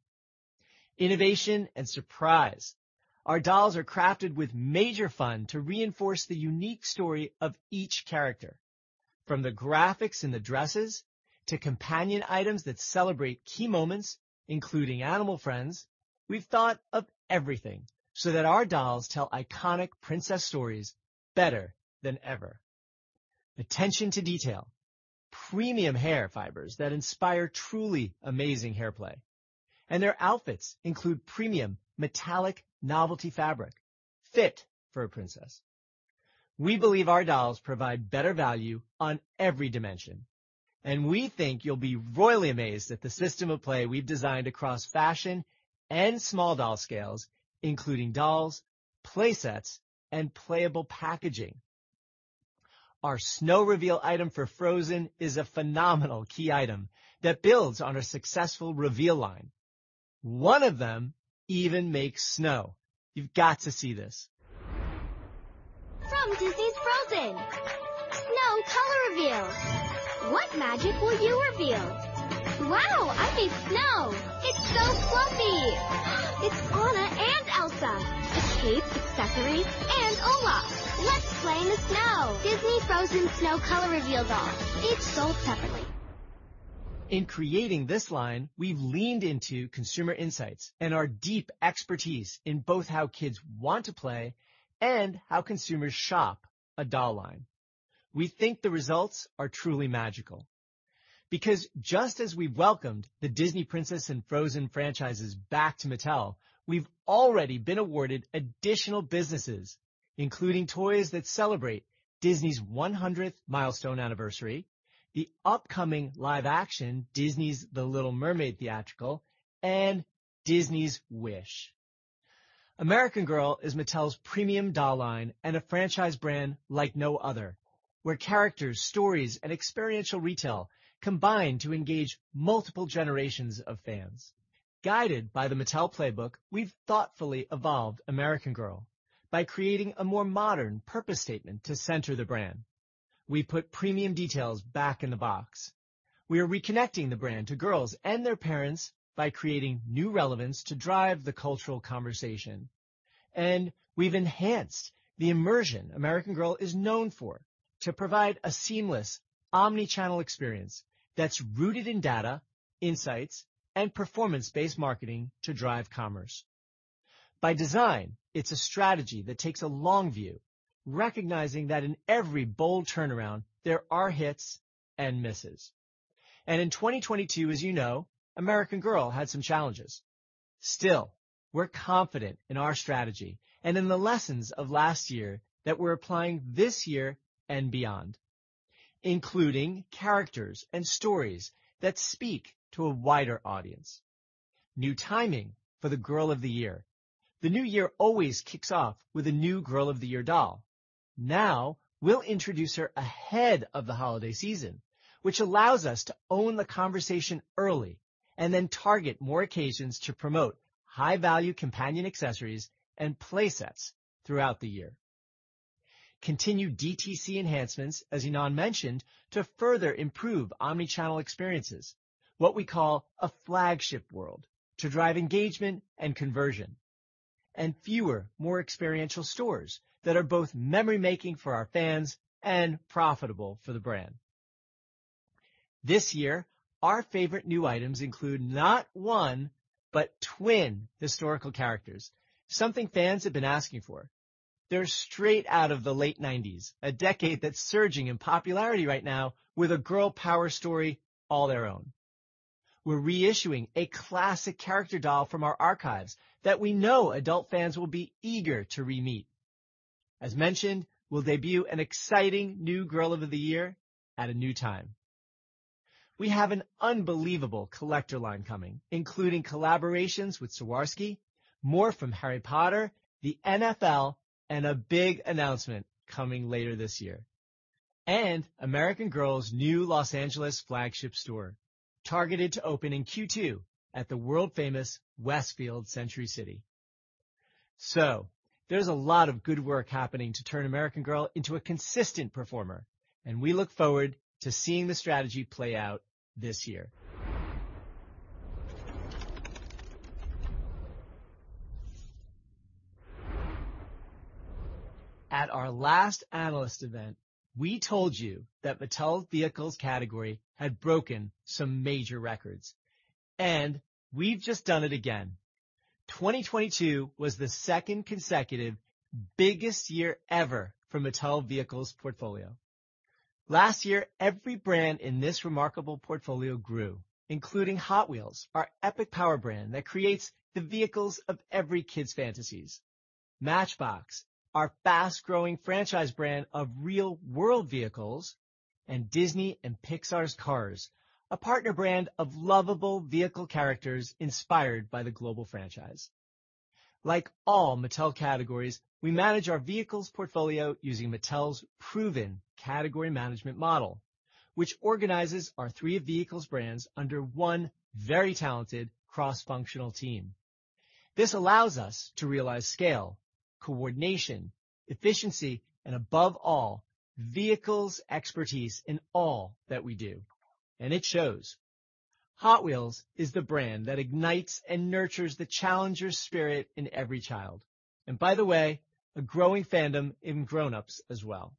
Innovation and surprise. Our dolls are crafted with major fun to reinforce the unique story of each character. From the graphics in the dresses to companion items that celebrate key moments, including animal friends, we've thought of everything so that our dolls tell iconic princess stories better than ever. Attention to detail. Premium hair fibers that inspire truly amazing hair play. Their outfits include premium metallic novelty fabric fit for a princess. We believe our dolls provide better value on every dimension, and we think you'll be royally amazed at the system of play we've designed across fashion and small doll scales, including dolls, playsets, and playable packaging. Our snow reveal item for Frozen is a phenomenal key item that builds on our successful reveal line. One of them even makes snow. You've got to see this. From Disney's Frozen. Snow Color Reveal. What magic will you reveal? Wow, I make snow. It's so fluffy. It's Anna and Elsa. A cape, accessories, and Olaf. Let's play in the snow. Disney Frozen Snow Color Reveal Doll. Each sold separately. In creating this line, we've leaned into consumer insights and our deep expertise in both how kids want to play and how consumers shop a doll line. We think the results are truly magical. Just as we welcomed the Disney Princess and Frozen franchises back to Mattel, we've already been awarded additional businesses, including toys that celebrate Disney's 100th milestone anniversary, the upcoming live-action Disney's The Little Mermaid theatrical, and Disney's Wish. American Girl is Mattel's premium doll line and a franchise brand like no other, where characters, stories, and experiential retail combine to engage multiple generations of fans. Guided by the Mattel Playbook, we've thoughtfully evolved American Girl by creating a more modern purpose statement to center the brand. We put premium details back in the box. We are reconnecting the brand to girls and their parents by creating new relevance to drive the cultural conversation. We've enhanced the immersion American Girl is known for to provide a seamless omni-channel experience that's rooted in data, insights, and performance-based marketing to drive commerce. By design, it's a strategy that takes a long view, recognizing that in every bold turnaround there are hits and misses. In 2022, as you know, American Girl had some challenges. Still, we're confident in our strategy and in the lessons of last year that we're applying this year and beyond, including characters and stories that speak to a wider audience. New timing for the Girl of the Year. The new year always kicks off with a new Girl of the Year doll. We'll introduce her ahead of the holiday season, which allows us to own the conversation early and then target more occasions to promote high-value companion accessories and play sets throughout the year. Continued DTC enhancements, as Ynon mentioned, to further improve omni-channel experiences, what we call a flagship world, to drive engagement and conversion, and fewer, more experiential stores that are both memory-making for our fans and profitable for the brand. This year, our favorite new items include not one, but twin historical characters, something fans have been asking for. They're straight out of the late nineties, a decade that's surging in popularity right now with a girl power story all their own. We're reissuing a classic character doll from our archives that we know adult fans will be eager to re-meet. As mentioned, we'll debut an exciting new Girl of the Year at a new time. We have an unbelievable collector line coming, including collaborations with Swarovski, more from Harry Potter, the NFL, and a big announcement coming later this year. American Girl's new Los Angeles flagship store, targeted to open in Q2 at the world-famous Westfield Century City. There's a lot of good work happening to turn American Girl into a consistent performer, and we look forward to seeing the strategy play out this year. At our last analyst event, we told you that Mattel's vehicles category had broken some major records, and we've just done it again. 2022 was the second consecutive biggest year ever for Mattel vehicles portfolio. Last year, every brand in this remarkable portfolio grew, including Hot Wheels, our epic power brand that creates the vehicles of every kid's fantasies, Matchbox, our fast-growing franchise brand of real-world vehicles, and Disney and Pixar's Cars, a partner brand of lovable vehicle characters inspired by the global franchise. Like all Mattel categories, we manage our vehicles portfolio using Mattel's proven category management model, which organizes our three vehicles brands under one very talented cross-functional team. This allows us to realize scale, coordination, efficiency, and above all, vehicles expertise in all that we do, and it shows. Hot Wheels is the brand that ignites and nurtures the challenger spirit in every child, and by the way, a growing fandom in grown-ups as well.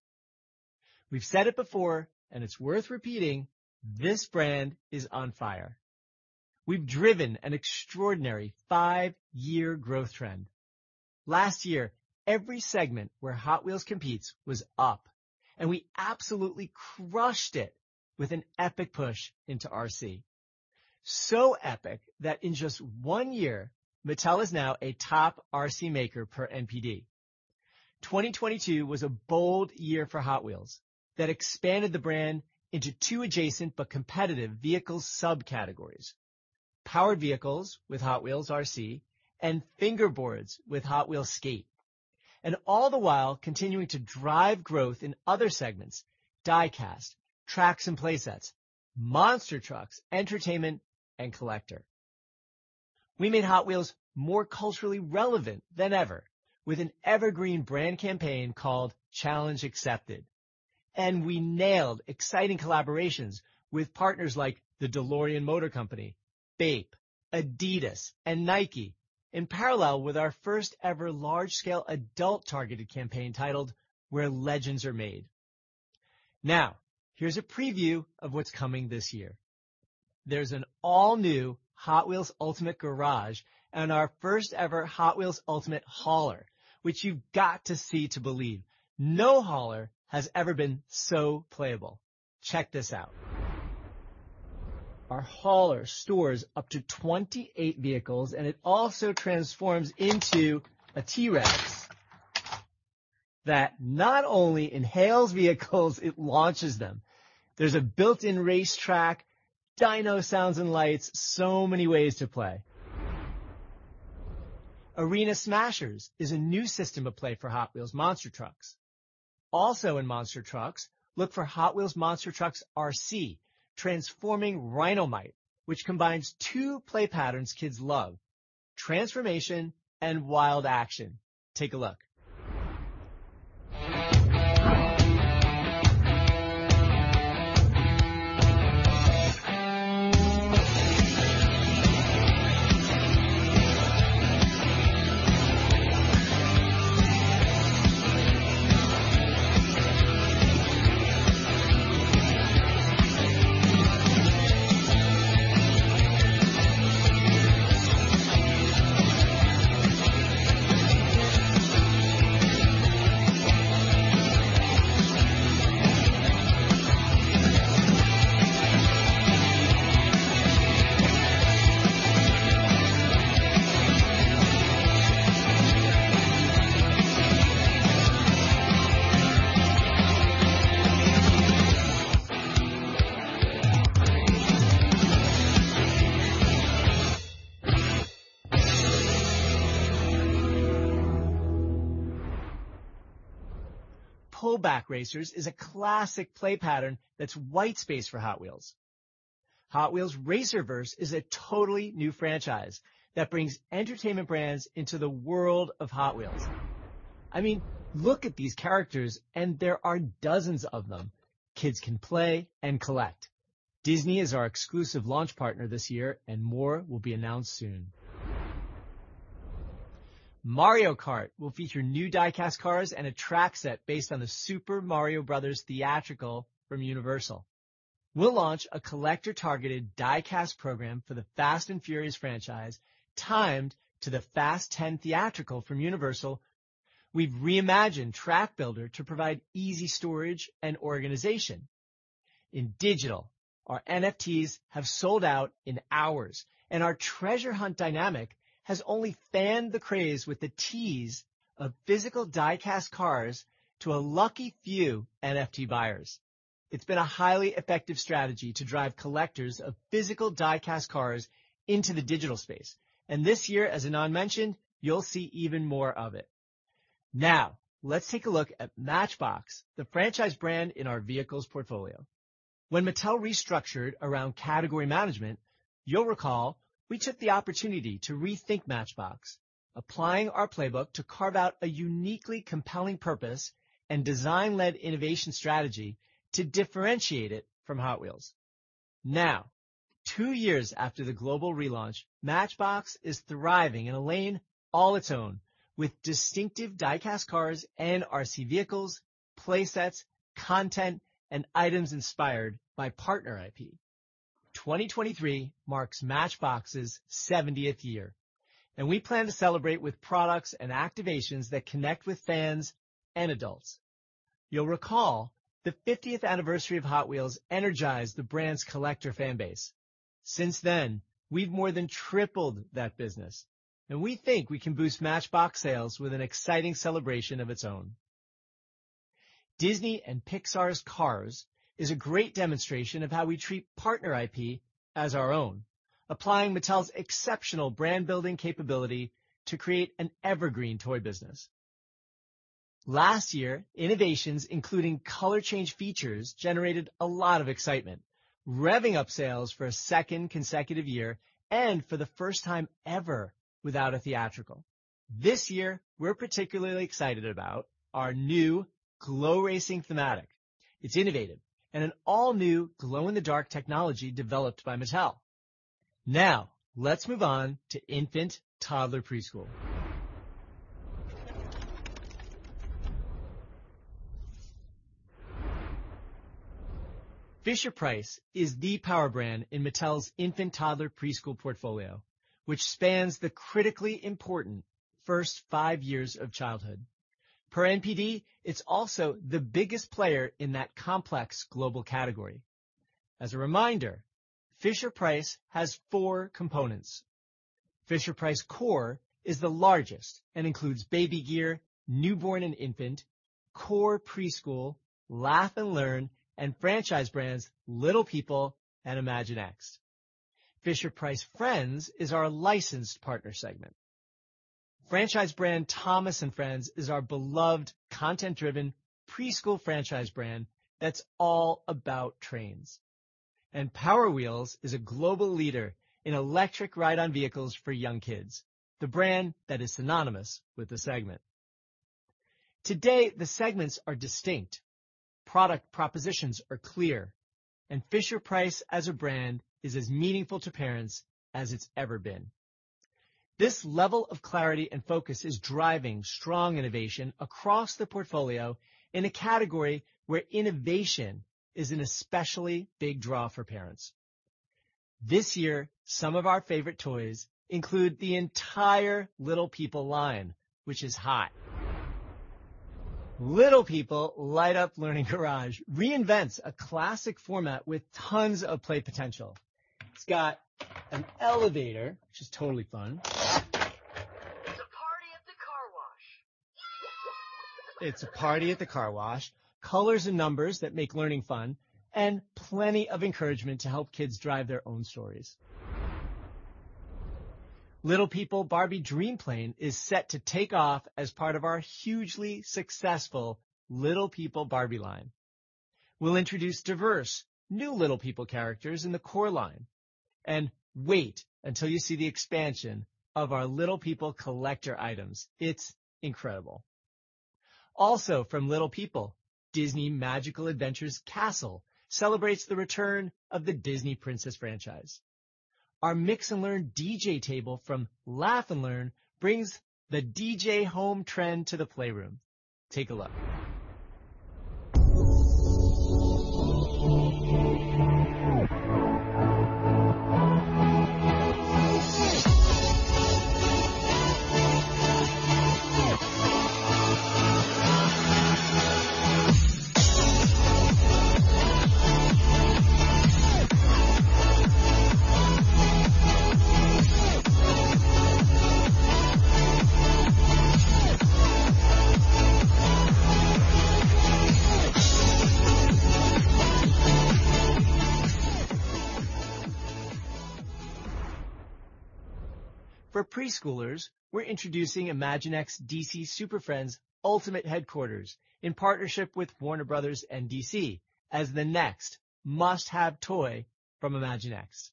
We've said it before, and it's worth repeating, this brand is on fire. We've driven an extraordinary five-year growth trend. Last year, every segment where Hot Wheels competes was up, and we absolutely crushed it with an epic push into RC. So epic that in just one year, Mattel is now a top RC maker per NPD. 2022 was a bold year for Hot Wheels that expanded the brand into 2 adjacent but competitive vehicle subcategories: powered vehicles with Hot Wheels RC and fingerboards with Hot Wheels Skate, all the while continuing to drive growth in other segments, die-cast, tracks and playsets, Monster Trucks, entertainment, and collector. We made Hot Wheels more culturally relevant than ever with an evergreen brand campaign called Challenge Accepted, we nailed exciting collaborations with partners like the DeLorean Motor Company, BAPE, Adidas, and Nike in parallel with our first ever large-scale adult targeted campaign titled Where Legends Are Made. Here's a preview of what's coming this year. There's an all-new Hot Wheels Ultimate Garage and our first ever Hot Wheels Ultimate Hauler, which you've got to see to believe. No hauler has ever so playable. Check this out. Our hauler stores up to 28 vehicles, and it also transforms into a T-Rex that not only inhales vehicles, it launches them. There's a built-in racetrack, dino sounds and lights, so many ways to play. Arena Smashers is a new system of play for Hot Wheels Monster Trucks. Also in Monster Trucks, look for Hot Wheels Monster Trucks RC Transforming Rhinomite, which combines two play patterns kids love, transformation and wild action. Take a look. Pull Back Racers is a classic play pattern that's white space for Hot Wheels. Hot Wheels RacerVerse is a totally new franchise that brings entertainment brands into the world of Hot Wheels. I mean, look at these characters, and there are dozens of them kids can play and collect. Disney is our exclusive launch partner this year, and more will be announced soon. Mario Kart will feature new die-cast cars and a track set based on the Super Mario Brothers theatrical from Universal. We'll launch a collector-targeted die-cast program for the Fast & Furious franchise, timed to the Fast X theatrical from Universal. We've reimagined Track Builder to provide easy storage and organization. In digital, our NFTs have sold out in hours, and our treasure hunt dynamic has only fanned the craze with the tease of physical die-cast cars to a lucky few NFT buyers. It's been a highly effective strategy to drive collectors of physical die-cast cars into the digital space. This year, as Anand mentioned, you'll see even more of it. Now, let's take a look at Matchbox, the franchise brand in our vehicles portfolio. When Mattel restructured around category management, you'll recall we took the opportunity to rethink Matchbox, applying our playbook to carve out a uniquely compelling purpose and design-led innovation strategy to differentiate it from Hot Wheels. Now, two years after the global relaunch, Matchbox is thriving in a lane all its own, with distinctive die-cast cars and RC vehicles, play sets, content, and items inspired by partner IP. 2023 marks Matchbox's 70th year, and we plan to celebrate with products and activations that connect with fans and adults. You'll recall the 50th anniversary of Hot Wheels energized the brand's collector fan base. Since then, we've more than tripled that business, and we think we can boost Matchbox sales with an exciting celebration of its own. Disney and Pixar's Cars is a great demonstration of how we treat partner IP as our own, applying Mattel's exceptional brand-building capability to create an evergreen toy business. Last year, innovations including color change features generated a lot of excitement, revving up sales for a second consecutive year and for the first time ever without a theatrical. This year, we're particularly excited about our new glow racing thematic. It's innovative and an all-new glow-in-the-dark technology developed by Mattel. Let's move on to infant-toddler preschool. Fisher-Price is the power brand in Mattel's infant-toddler preschool portfolio, which spans the critically important first five years of childhood. Per NPD, it's also the biggest player in that complex global category. As a reminder, Fisher-Price has four components. Fisher-Price Core is the largest and includes baby gear, newborn and infant, core preschool, Laugh & Learn, and Franchise Brands Little People and Imaginext. Fisher-Price Friends is our licensed partner segment. Franchise brand Thomas & Friends is our beloved content-driven preschool franchise brand that's all about trains. Power Wheels is a global leader in electric ride-on vehicles for young kids, the brand that is synonymous with the segment. Today, the segments are distinct, product propositions are clear, and Fisher-Price as a brand is as meaningful to parents as it's ever been. This level of clarity and focus is driving strong innovation across the portfolio in a category where innovation is an especially big draw for parents. This year, some of our favorite toys include the entire Little People line, which is hot. Little People Light-Up Learning Garage reinvents a classic format with tons of play potential. It's got an elevator, which is totally fun. It's a party at the car wash. Yay! It's a party at the car wash, colors and numbers that make learning fun, and plenty of encouragement to help kids drive their own stories. Little People Barbie Dream Plane is set to take off as part of our hugely successful Little People Barbie line. We'll introduce diverse new Little People characters in the core line. Wait until you see the expansion of our Little People Collector items. It's incredible. Also from Little People, Disney Magical Adventures Castle celebrates the return of the Disney Princess franchise. Our Mix & Learn DJ Table from Laugh & Learn brings the DJ home trend to the playroom. Take a look. For preschoolers, we're introducing Imaginext DC Super Friends Ultimate Headquarters in partnership with Warner Bros. and DC as the next must-have toy from Imaginext.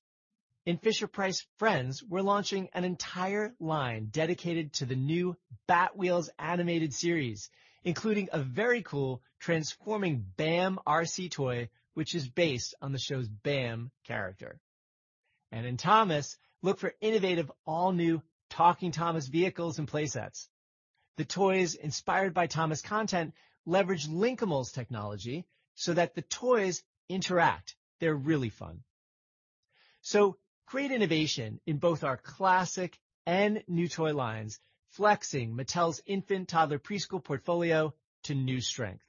In Fisher-Price Friends, we're launching an entire line dedicated to the new Batwheels animated series, including a very cool transforming Bam RC toy, which is based on the show's Bam character. In Thomas, look for innovative, all new Talking Thomas vehicles and play sets. The toys inspired by Thomas content leverage Linkimals technology so that the toys interact. They're really fun. Great innovation in both our classic and new toy lines, flexing Mattel's infant-toddler-preschool portfolio to new strength.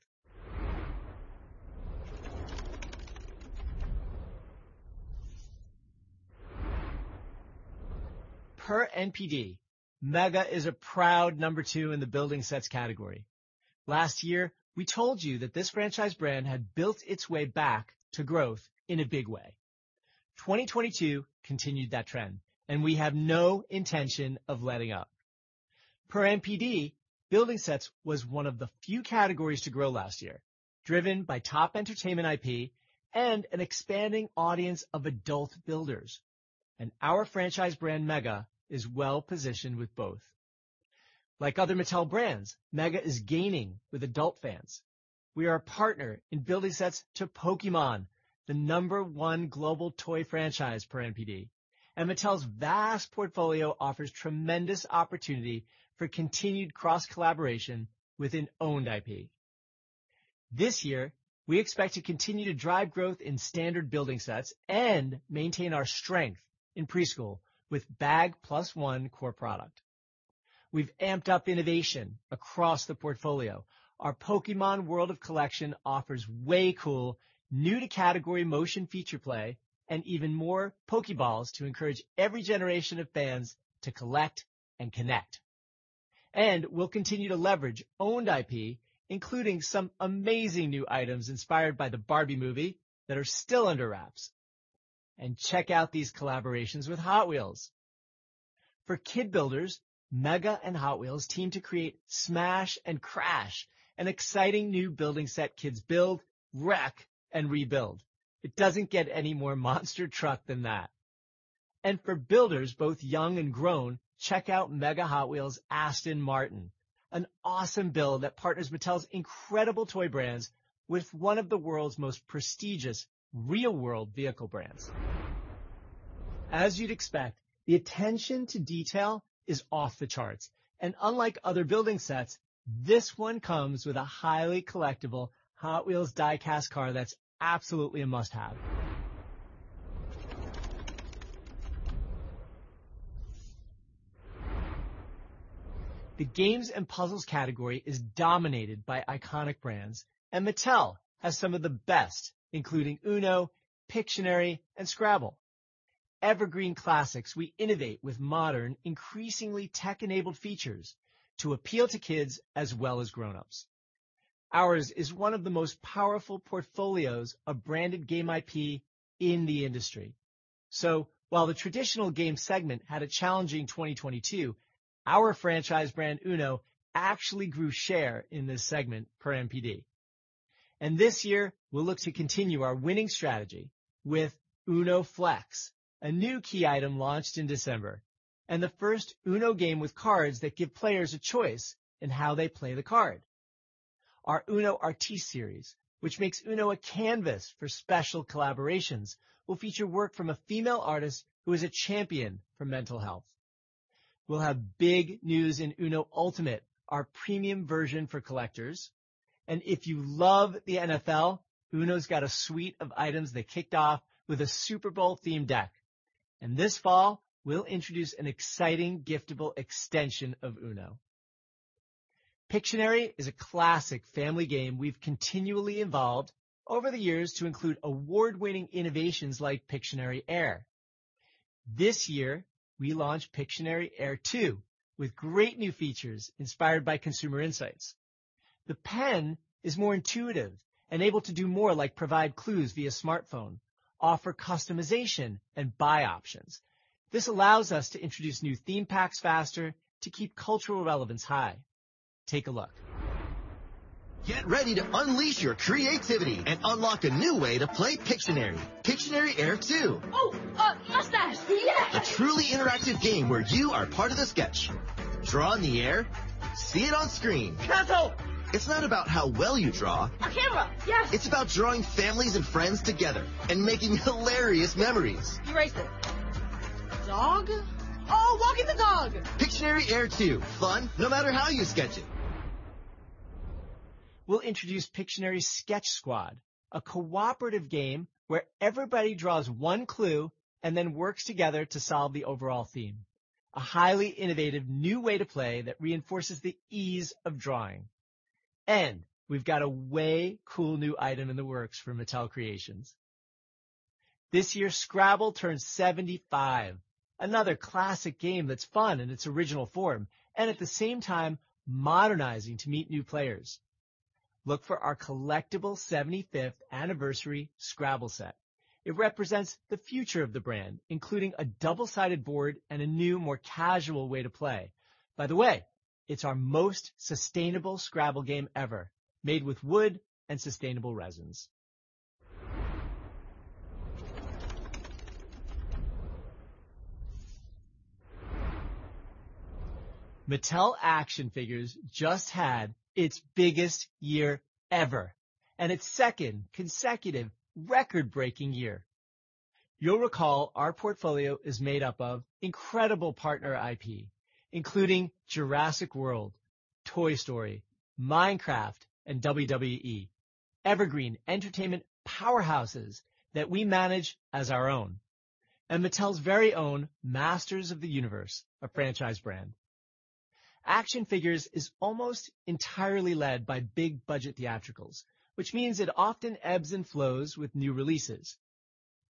Per NPD, MEGA is a proud number two in the building sets category. Last year, we told you that this franchise brand had built its way back to growth in a big way. 2022 continued that trend, and we have no intention of letting up. Per NPD, building sets was one of the few categories to grow last year, driven by top entertainment IP and an expanding audience of adult builders. Our franchise brand MEGA is well-positioned with both. Like other Mattel brands, MEGA is gaining with adult fans. We are a partner in building sets to Pokémon, the number one global toy franchise per NPD, and Mattel's vast portfolio offers tremendous opportunity for continued cross-collaboration within owned IP. This year we expect to continue to drive growth in standard building sets and maintain our strength in preschool with bag plus one core product. We've amped up innovation across the portfolio. Our Pokémon World of Collection offers way cool new to category motion feature play and even more Poké Balls to encourage every generation of fans to collect and connect. We'll continue to leverage owned IP, including some amazing new items inspired by the Barbie movie that are still under wraps. Check out these collaborations with Hot Wheels. For kid builders, MEGA and Hot Wheels team to create Smash & Crash, an exciting new building set kids build, wreck, and rebuild. It doesn't get any more monster truck than that. For builders both young and grown, check out MEGA Hot Wheels Aston Martin, an awesome build that partners Mattel's incredible toy brands with one of the world's most prestigious real-world vehicle brands. As you'd expect, the attention to detail is off the charts, and unlike other building sets, this one comes with a highly collectible Hot Wheels die-cast car that's absolutely a must-have. The games and puzzles category is dominated by iconic brands, and Mattel has some of the best, including UNO, Pictionary, and Scrabble. Evergreen classics we innovate with modern, increasingly tech-enabled features to appeal to kids as well as grown-ups. Ours is one of the most powerful portfolios of branded game IP in the industry. While the traditional game segment had a challenging 2022, our franchise brand UNO actually grew share in this segment per NPD. This year we'll look to continue our winning strategy with UNO Flex, a new key item launched in December and the first UNO game with cards that give players a choice in how they play the card. Our UNO Artiste Series, which makes UNO a canvas for special collaborations, will feature work from a female artist who is a champion for mental health. We'll have big news in UNO Ultimate, our premium version for collectors. If you love the NFL, UNO's got a suite of items that kicked off with a Super Bowl themed deck. This fall, we'll introduce an exciting giftable extension of UNO. Pictionary is a classic family game we've continually evolved over the years to include award-winning innovations like Pictionary Air. This year we launch Pictionary Air 2 with great new features inspired by consumer insights. The pen is more intuitive and able to do more, like provide clues via smartphone, offer customization and buy options. This allows us to introduce new theme packs faster to keep cultural relevance high. Take a look. Get ready to unleash your creativity and unlock a new way to play Pictionary. Pictionary Air 2. Oh, mustache. Yes. A truly interactive game where you are part of the sketch. Draw in the air, see it on screen. Castle. It's not about how well you draw. A camera. Yes. It's about drawing families and friends together and making hilarious memories. Eraser. Dog? Oh, walking the dog. Pictionary Air 2, fun no matter how you sketch it. We'll introduce Pictionary Sketch Squad, a cooperative game where everybody draws 1 clue and then works together to solve the overall theme. A highly innovative new way to play that reinforces the ease of drawing. We've got a way cool new item in the works from Mattel Creations. This year, Scrabble turns 75. Another classic game that's fun in its original form and at the same time modernizing to meet new players. Look for our collectible 75th anniversary Scrabble set. It represents the future of the brand, including a double-sided board and a new, more casual way to play. By the way, it's our most sustainable Scrabble game ever, made with wood and sustainable resins. Mattel Action Figures just had its biggest year ever and its second consecutive record-breaking year. You'll recall our portfolio is made up of incredible partner IP, including Jurassic World, Toy Story, Minecraft, and WWE, evergreen entertainment powerhouses that we manage as our own, and Mattel's very own Masters of the Universe, a franchise brand. Action Figures is almost entirely led by big budget theatricals, which means it often ebbs and flows with new releases.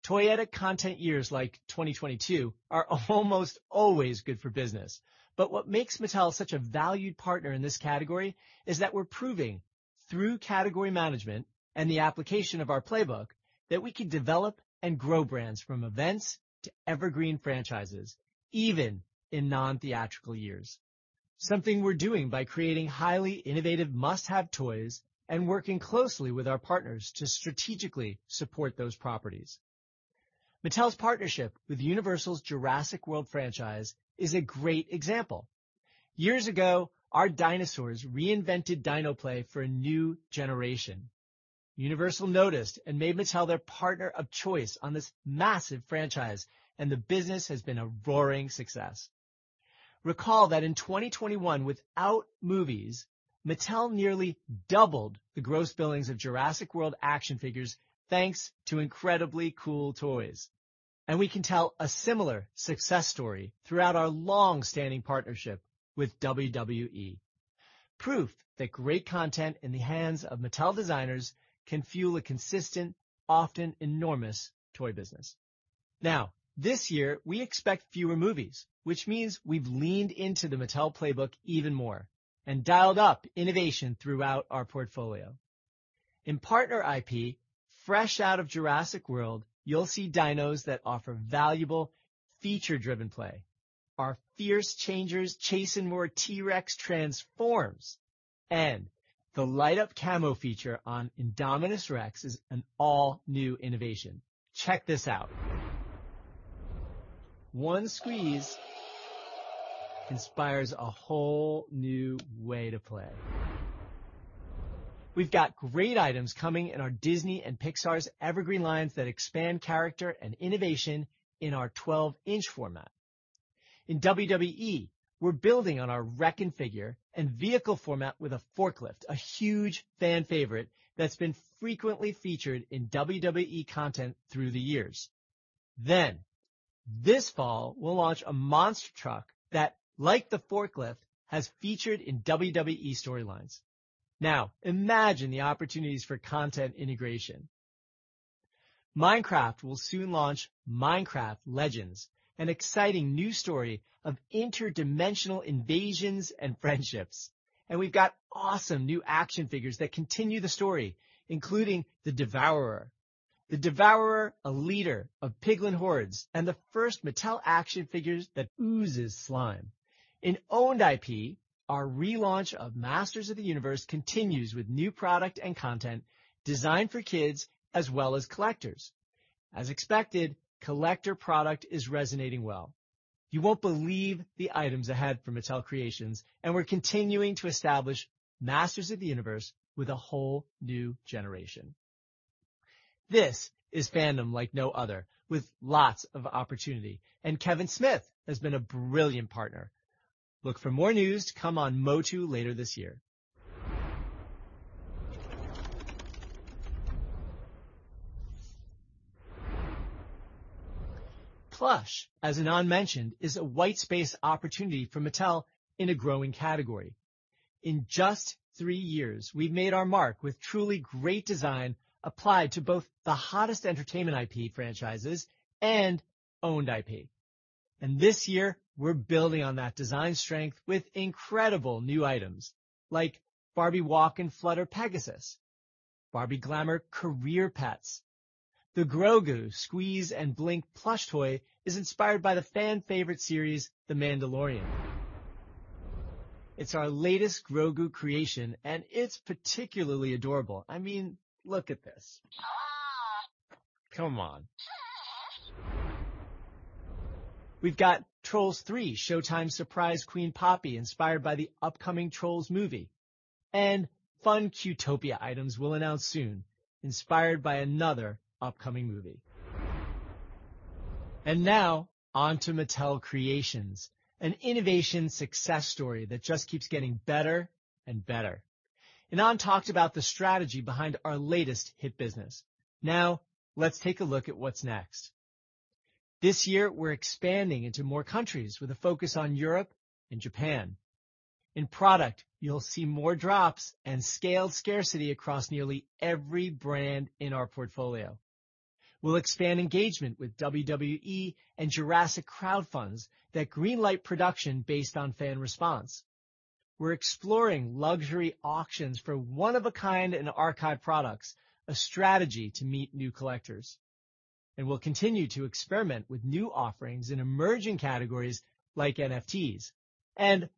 Toyetic content years like 2022 are almost always good for business. What makes Mattel such a valued partner in this category is that we're proving through category management and the application of our Playbook that we can develop and grow brands from events to evergreen franchises, even in non-theatrical years. Something we're doing by creating highly innovative must-have toys and working closely with our partners to strategically support those properties. Mattel's partnership with Universal's Jurassic World franchise is a great example. Years ago, our dinosaurs reinvented dino play for a new generation. Universal noticed and made Mattel their partner of choice on this massive franchise, the business has been a roaring success. Recall that in 2021, without movies, Mattel nearly doubled the gross billings of Jurassic World Action Figures thanks to incredibly cool toys. We can tell a similar success story throughout our long-standing partnership with WWE. Proof that great content in the hands of Mattel designers can fuel a consistent, often enormous toy business. This year, we expect fewer movies, which means we've leaned into the Mattel Playbook even more and dialed up innovation throughout our portfolio. In partner IP, fresh out of Jurassic World, you'll see dinos that offer valuable feature-driven play. Our Fierce Changers Chase and Moore T-Rex transforms, the light-up camo feature on Indominus Rex is an all-new innovation. Check this out. One squeeze inspires a whole new way to play. We've got great items coming in our Disney and Pixar's evergreen lines that expand character and innovation in our 12-inch format. In WWE, we're building on our Wrekkin' figure and vehicle format with a forklift, a huge fan favorite that's been frequently featured in WWE content through the years. This fall, we'll launch a monster truck that, like the forklift, has featured in WWE storylines. Imagine the opportunities for content integration. Minecraft will soon launch Minecraft Legends, an exciting new story of interdimensional invasions and friendships. We've got awesome new action figures that continue the story, including the Devourer. The Devourer, a leader of piglin hordes and the first Mattel action figures that oozes slime. In owned IP, our relaunch of Masters of the Universe continues with new product and content designed for kids as well as collectors. As expected, collector product is resonating well. You won't believe the items ahead from Mattel Creations, and we're continuing to establish Masters of the Universe with a whole new generation. This is fandom like no other, with lots of opportunity, and Kevin Smith has been a brilliant partner. Look for more news to come on MOTU later this year. Plush, as Ynon mentioned, is a white space opportunity for Mattel in a growing category. In just three years, we've made our mark with truly great design applied to both the hottest entertainment IP franchises and owned IP. And this year, we're building on that design strength with incredible new items like Barbie Walk & Flutter Pegasus, Barbie Glamour Career Pets. The Grogu Squeeze & Blink plush toy is inspired by the fan favorite series, The Mandalorian. It's our latest Grogu creation, and it's particularly adorable. I mean, look at this. Come on. We've got Trolls 3: Showtime Surprise Queen Poppy, inspired by the upcoming Trolls movie, and fun Cuutopia items we'll announce soon, inspired by another upcoming movie. Now on to Mattel Creations, an innovation success story that just keeps getting better and better. Ynon talked about the strategy behind our latest hit business. Now let's take a look at what's next. This year, we're expanding into more countries with a focus on Europe and Japan. In product, you'll see more drops and scaled scarcity across nearly every brand in our portfolio. We'll expand engagement with WWE and Jurassic crowdfunds that greenlight production based on fan response. We're exploring luxury auctions for one-of-a-kind and archive products, a strategy to meet new collectors. We'll continue to experiment with new offerings in emerging categories like NFTs.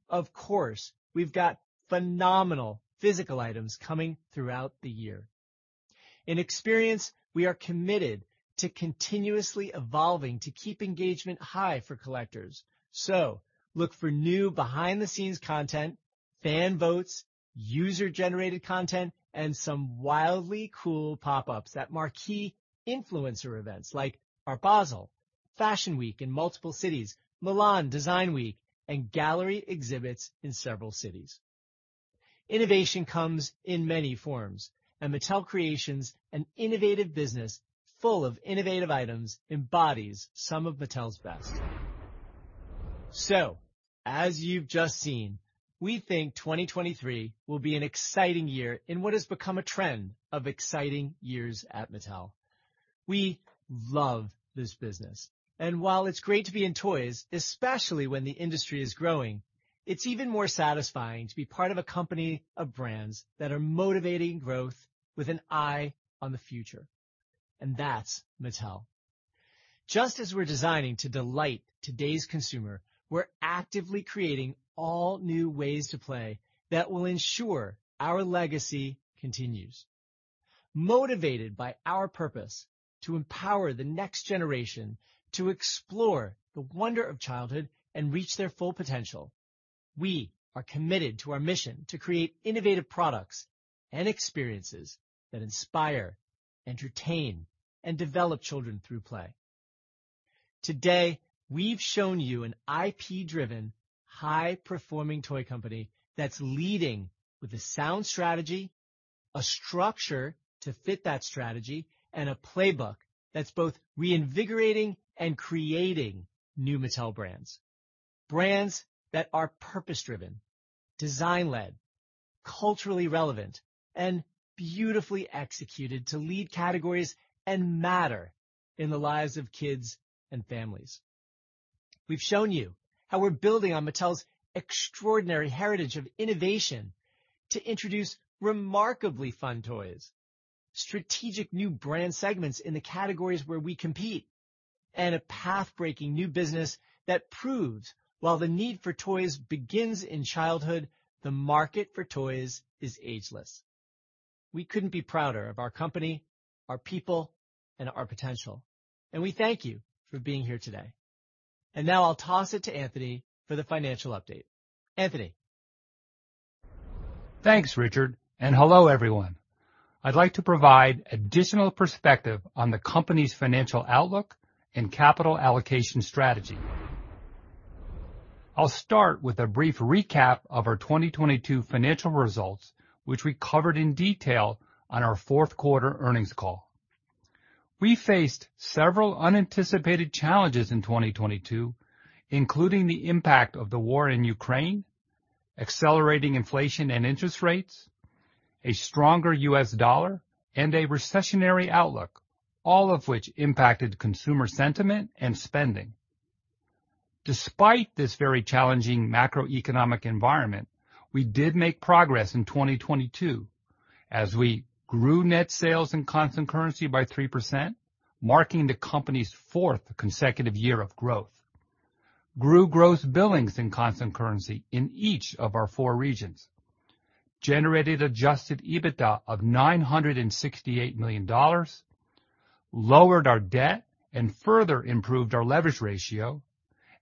Of course, we've got phenomenal physical items coming throughout the year. In experience, we are committed to continuously evolving to keep engagement high for collectors. Look for new behind-the-scenes content, fan votes, user-generated content, and some wildly cool pop-ups that marquee influencer events like Art Basel, Fashion Week in multiple cities, Milan Design Week, and gallery exhibits in several cities. Innovation comes in many forms, and Mattel Creations, an innovative business full of innovative items, embodies some of Mattel's best. As you've just seen, we think 2023 will be an exciting year in what has become a trend of exciting years at Mattel. We love this business and while it's great to be in toys, especially when the industry is growing, it's even more satisfying to be part of a company of brands that are motivating growth with an eye on the future, and that's Mattel. Just as we're designing to delight today's consumer, we're actively creating all new ways to play that will ensure our legacy continues. Motivated by our purpose to empower the next generation to explore the wonder of childhood and reach their full potential, we are committed to our mission to create innovative products and experiences that inspire, entertain, and develop children through play. Today, we've shown you an IP-driven, high-performing toy company that's leading with a sound strategy, a structure to fit that strategy, and a playbook that's both reinvigorating and creating new Mattel brands. Brands that are purpose-driven, design-led, culturally relevant, and beautifully executed to lead categories and matter in the lives of kids and families. We've shown you how we're building on Mattel's extraordinary heritage of innovation to introduce remarkably fun toys, strategic new brand segments in the categories where we compete, and a path-breaking new business that proves while the need for toys begins in childhood, the market for toys is ageless. We couldn't be prouder of our company, our people, and our potential. We thank you for being here today. Now I'll toss it to Anthony for the financial update. Anthony? Thanks, Richard. Hello, everyone. I'd like to provide additional perspective on the company's financial outlook and capital allocation strategy. I'll start with a brief recap of our 2022 financial results, which we covered in detail on our fourth quarter earnings call. We faced several unanticipated challenges in 2022, including the impact of the war in Ukraine, accelerating inflation and interest rates, a stronger US dollar, and a recessionary outlook, all of which impacted consumer sentiment and spending. Despite this very challenging macroeconomic environment, we did make progress in 2022 as we grew net sales and constant currency by 3%, marking the company's fourth consecutive year of growth, grew gross billings in constant currency in each of our four regions, generated Adjusted EBITDA of $968 million, lowered our debt and further improved our leverage ratio,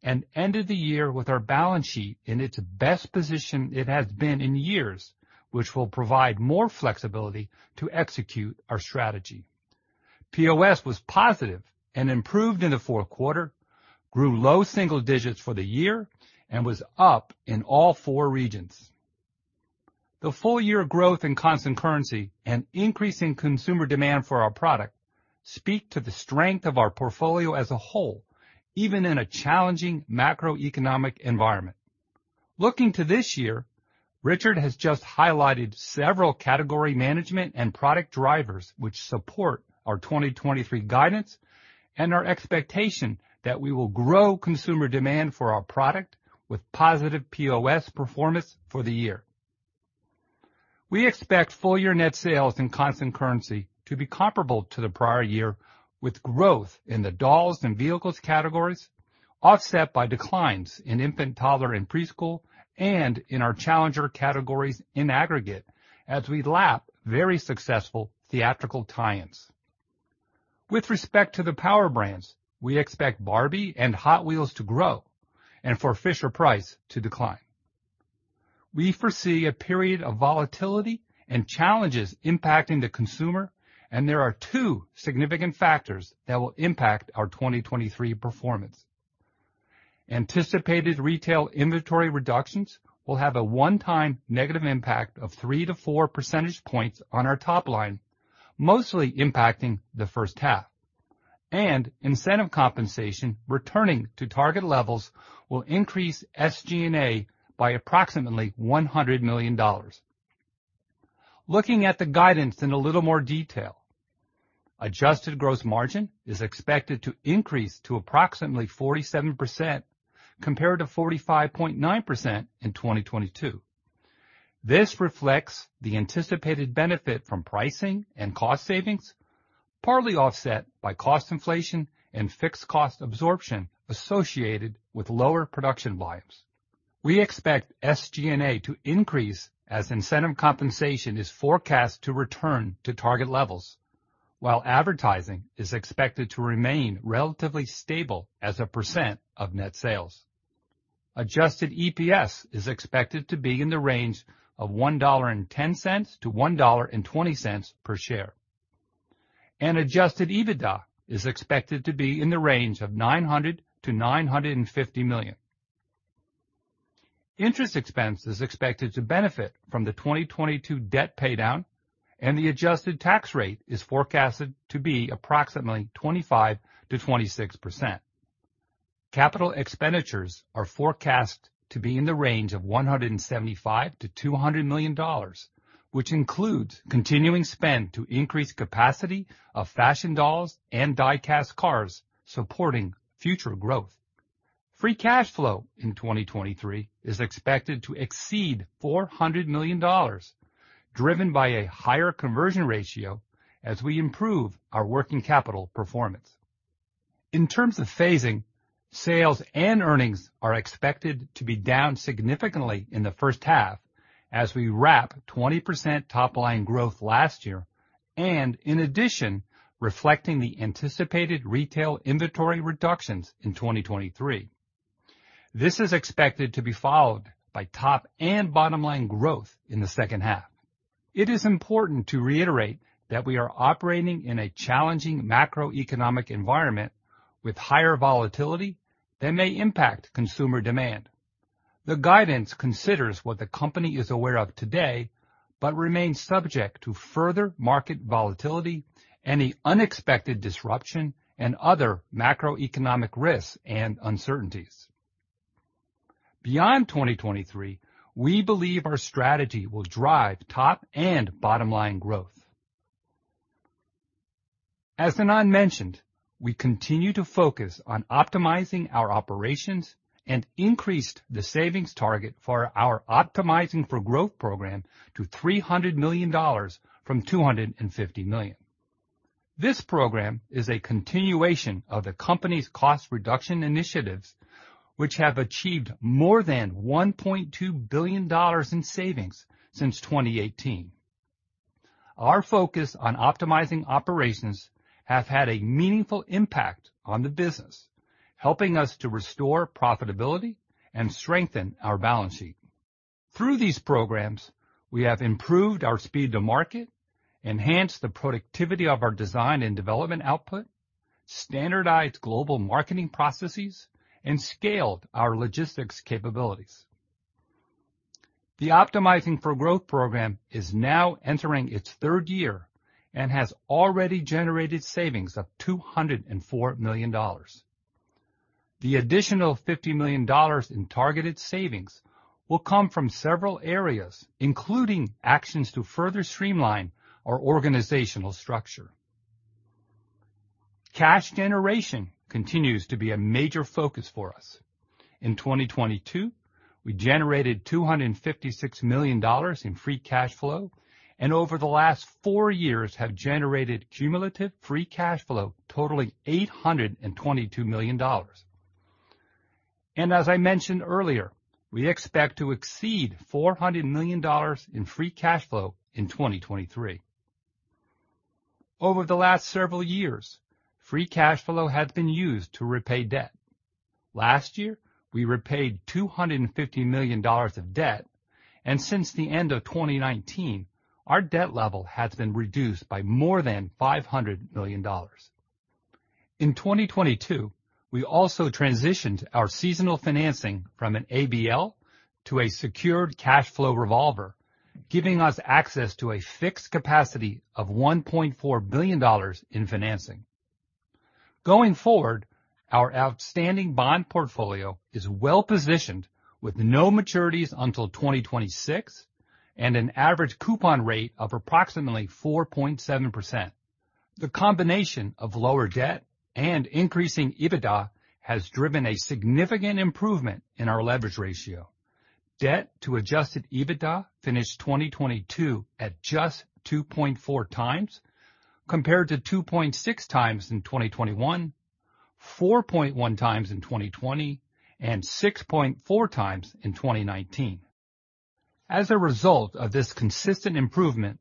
and ended the year with our balance sheet in its best position it has been in years, which will provide more flexibility to execute our strategy. POS was positive and improved in the fourth quarter, grew low single digits for the year, and was up in all four regions. The full year growth in constant currency and increase in consumer demand for our product speak to the strength of our portfolio as a whole, even in a challenging macroeconomic environment. Looking to this year, Richard has just highlighted several category management and product drivers which support our 2023 guidance and our expectation that we will grow consumer demand for our product with positive POS performance for the year. We expect full year net sales in constant currency to be comparable to the prior year, with growth in the dolls and vehicles categories offset by declines in infant, toddler, and preschool and in our challenger categories in aggregate as we lap very successful theatrical tie-ins. With respect to the power brands, we expect Barbie and Hot Wheels to grow and for Fisher-Price to decline. We foresee a period of volatility and challenges impacting the consumer, there are two significant factors that will impact our 2023 performance. Anticipated retail inventory reductions will have a one-time negative impact of 3-4 percentage points on our top line, mostly impacting the first half. Incentive compensation returning to target levels will increase SG&A by approximately $100 million. Looking at the guidance in a little more detail. Adjusted gross margin is expected to increase to approximately 47% compared to 45.9% in 2022. This reflects the anticipated benefit from pricing and cost savings, partly offset by cost inflation and fixed cost absorption associated with lower production volumes. We expect SG&A to increase as incentive compensation is forecast to return to target levels, while advertising is expected to remain relatively stable as a percent of net sales. Adjusted EPS is expected to be in the range of $1.10-$1.20 per share. Adjusted EBITDA is expected to be in the range of $900 million-$950 million. Interest expense is expected to benefit from the 2022 debt paydown, and the adjusted tax rate is forecasted to be approximately 25%-26%. Capital expenditures are forecast to be in the range of $175 million-$200 million, which includes continuing spend to increase capacity of fashion dolls and die-cast cars supporting future growth. Free cash flow in 2023 is expected to exceed $400 million, driven by a higher conversion ratio as we improve our working capital performance. In terms of phasing, sales and earnings are expected to be down significantly in the first half as we wrap 20% top line growth last year and in addition, reflecting the anticipated retail inventory reductions in 2023. This is expected to be followed by top and bottom line growth in the second half. It is important to reiterate that we are operating in a challenging macroeconomic environment with higher volatility that may impact consumer demand. The guidance considers what the company is aware of today, but remains subject to further market volatility, any unexpected disruption and other macroeconomic risks and uncertainties. Beyond 2023, we believe our strategy will drive top and bottom line growth. As Ynon mentioned, we continue to focus on optimizing our operations and increased the savings target for our Optimizing for Growth program to $300 million from $250 million. This program is a continuation of the company's cost reduction initiatives, which have achieved more than $1.2 billion in savings since 2018. Our focus on optimizing operations have had a meaningful impact on the business, helping us to restore profitability and strengthen our balance sheet. Through these programs, we have improved our speed to market, enhanced the productivity of our design and development output, standardized global marketing processes, and scaled our logistics capabilities. The Optimizing for Growth program is now entering its third year and has already generated savings of $204 million. The additional $50 million in targeted savings will come from several areas, including actions to further streamline our organizational structure. Cash generation continues to be a major focus for us. In 2022, we generated $256 million in free cash flow, and over the last four years have generated cumulative free cash flow totaling $822 million. As I mentioned earlier, we expect to exceed $400 million in free cash flow in 2023. Over the last several years, free cash flow has been used to repay debt. Last year, we repaid $250 million of debt. Since the end of 2019, our debt level has been reduced by more than $500 million. In 2022, we also transitioned our seasonal financing from an ABL to a secured cash flow revolver, giving us access to a fixed capacity of $1.4 billion in financing. Going forward, our outstanding bond portfolio is well positioned with no maturities until 2026 and an average coupon rate of approximately 4.7%. The combination of lower debt and increasing EBITDA has driven a significant improvement in our leverage ratio. Debt to Adjusted EBITDA finished 2022 at just 2.4x compared to 2.6x in 2021, 4.1x in 2020, and 6.4x in 2019. As a result of this consistent improvement,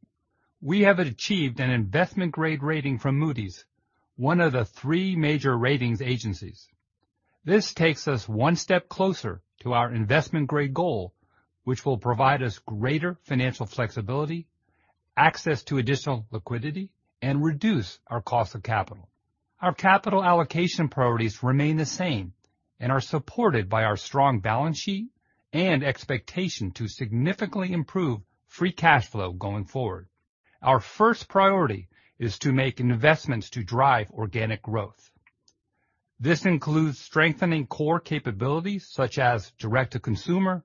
we have achieved an investment-grade rating from Moody's, one of the three major ratings agencies. This takes us one step closer to our investment-grade goal, which will provide us greater financial flexibility, access to additional liquidity, and reduce our cost of capital. Our capital allocation priorities remain the same and are supported by our strong balance sheet and expectation to significantly improve free cash flow going forward. Our first priority is to make investments to drive organic growth. This includes strengthening core capabilities such as direct-to-consumer,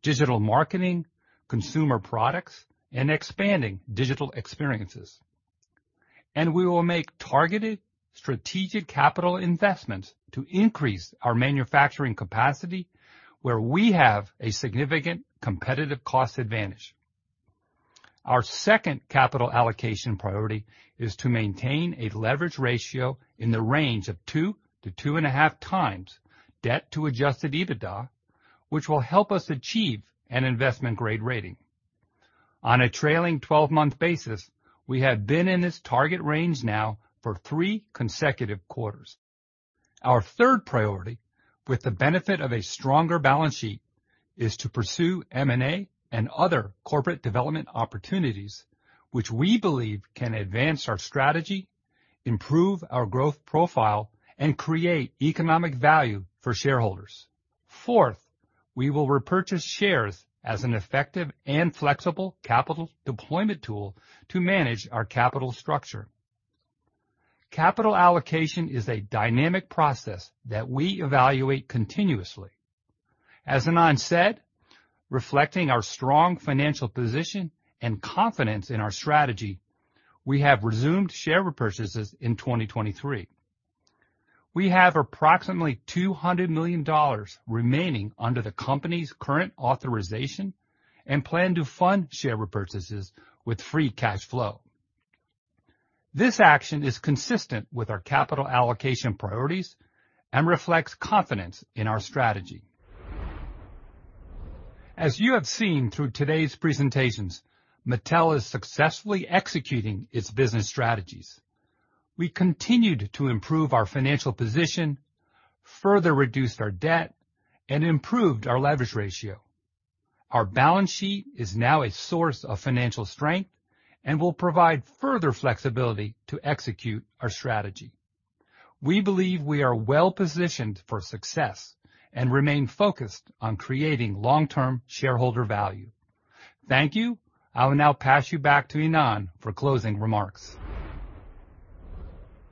digital marketing, consumer products, and expanding digital experiences. We will make targeted strategic capital investments to increase our manufacturing capacity where we have a significant competitive cost advantage. Our second capital allocation priority is to maintain a leverage ratio in the range of 2x-2.5x Debt to Adjusted EBITDA, which will help us achieve an investment-grade rating. On a trailing 12-month basis, we have been in this target range now for three consecutive quarters. Our third priority, with the benefit of a stronger balance sheet, is to pursue M&A and other corporate development opportunities which we believe can advance our strategy, improve our growth profile, and create economic value for shareholders. Fourth, we will repurchase shares as an effective and flexible capital deployment tool to manage our capital structure. Capital allocation is a dynamic process that we evaluate continuously. As Ynon said, reflecting our strong financial position and confidence in our strategy, we have resumed share repurchases in 2023. We have approximately $200 million remaining under the company's current authorization and plan to fund share repurchases with free cash flow. This action is consistent with our capital allocation priorities and reflects confidence in our strategy. As you have seen through today's presentations, Mattel is successfully executing its business strategies. We continued to improve our financial position, further reduced our debt, and improved our leverage ratio. Our balance sheet is now a source of financial strength and will provide further flexibility to execute our strategy. We believe we are well-positioned for success and remain focused on creating long-term shareholder value. Thank you. I will now pass you back to Ynon for closing remarks.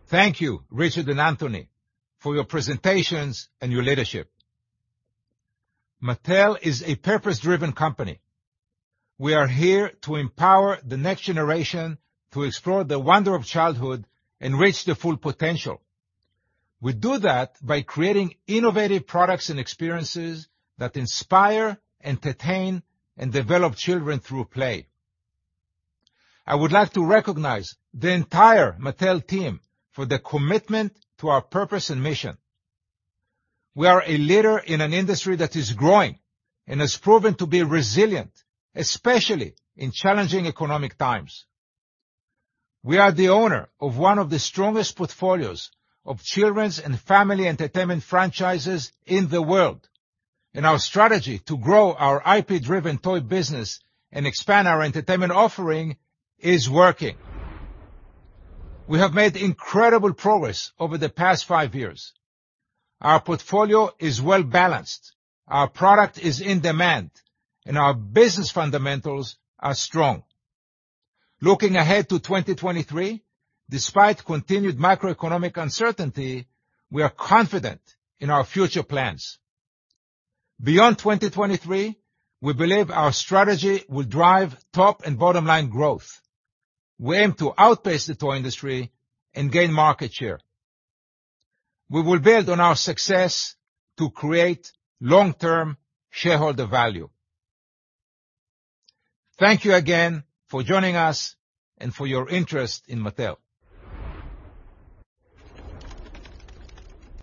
Thank you, Richard and Anthony, for your presentations and your leadership. Mattel is a purpose-driven company. We are here to empower the next generation to explore the wonder of childhood and reach their full potential. We do that by creating innovative products and experiences that inspire, entertain, and develop children through play. I would like to recognize the entire Mattel team for their commitment to our purpose and mission. We are a leader in an industry that is growing and has proven to be resilient, especially in challenging economic times. We are the owner of one of the strongest portfolios of children's and family entertainment franchises in the world, and our strategy to grow our IP-driven toy business and expand our entertainment offering is working. We have made incredible progress over the past five years. Our portfolio is well-balanced, our product is in demand, and our business fundamentals are strong. Looking ahead to 2023, despite continued macroeconomic uncertainty, we are confident in our future plans. Beyond 2023, we believe our strategy will drive top and bottom-line growth. We aim to outpace the toy industry and gain market share. We will build on our success to create long-term shareholder value. Thank you again for joining us and for your interest in Mattel.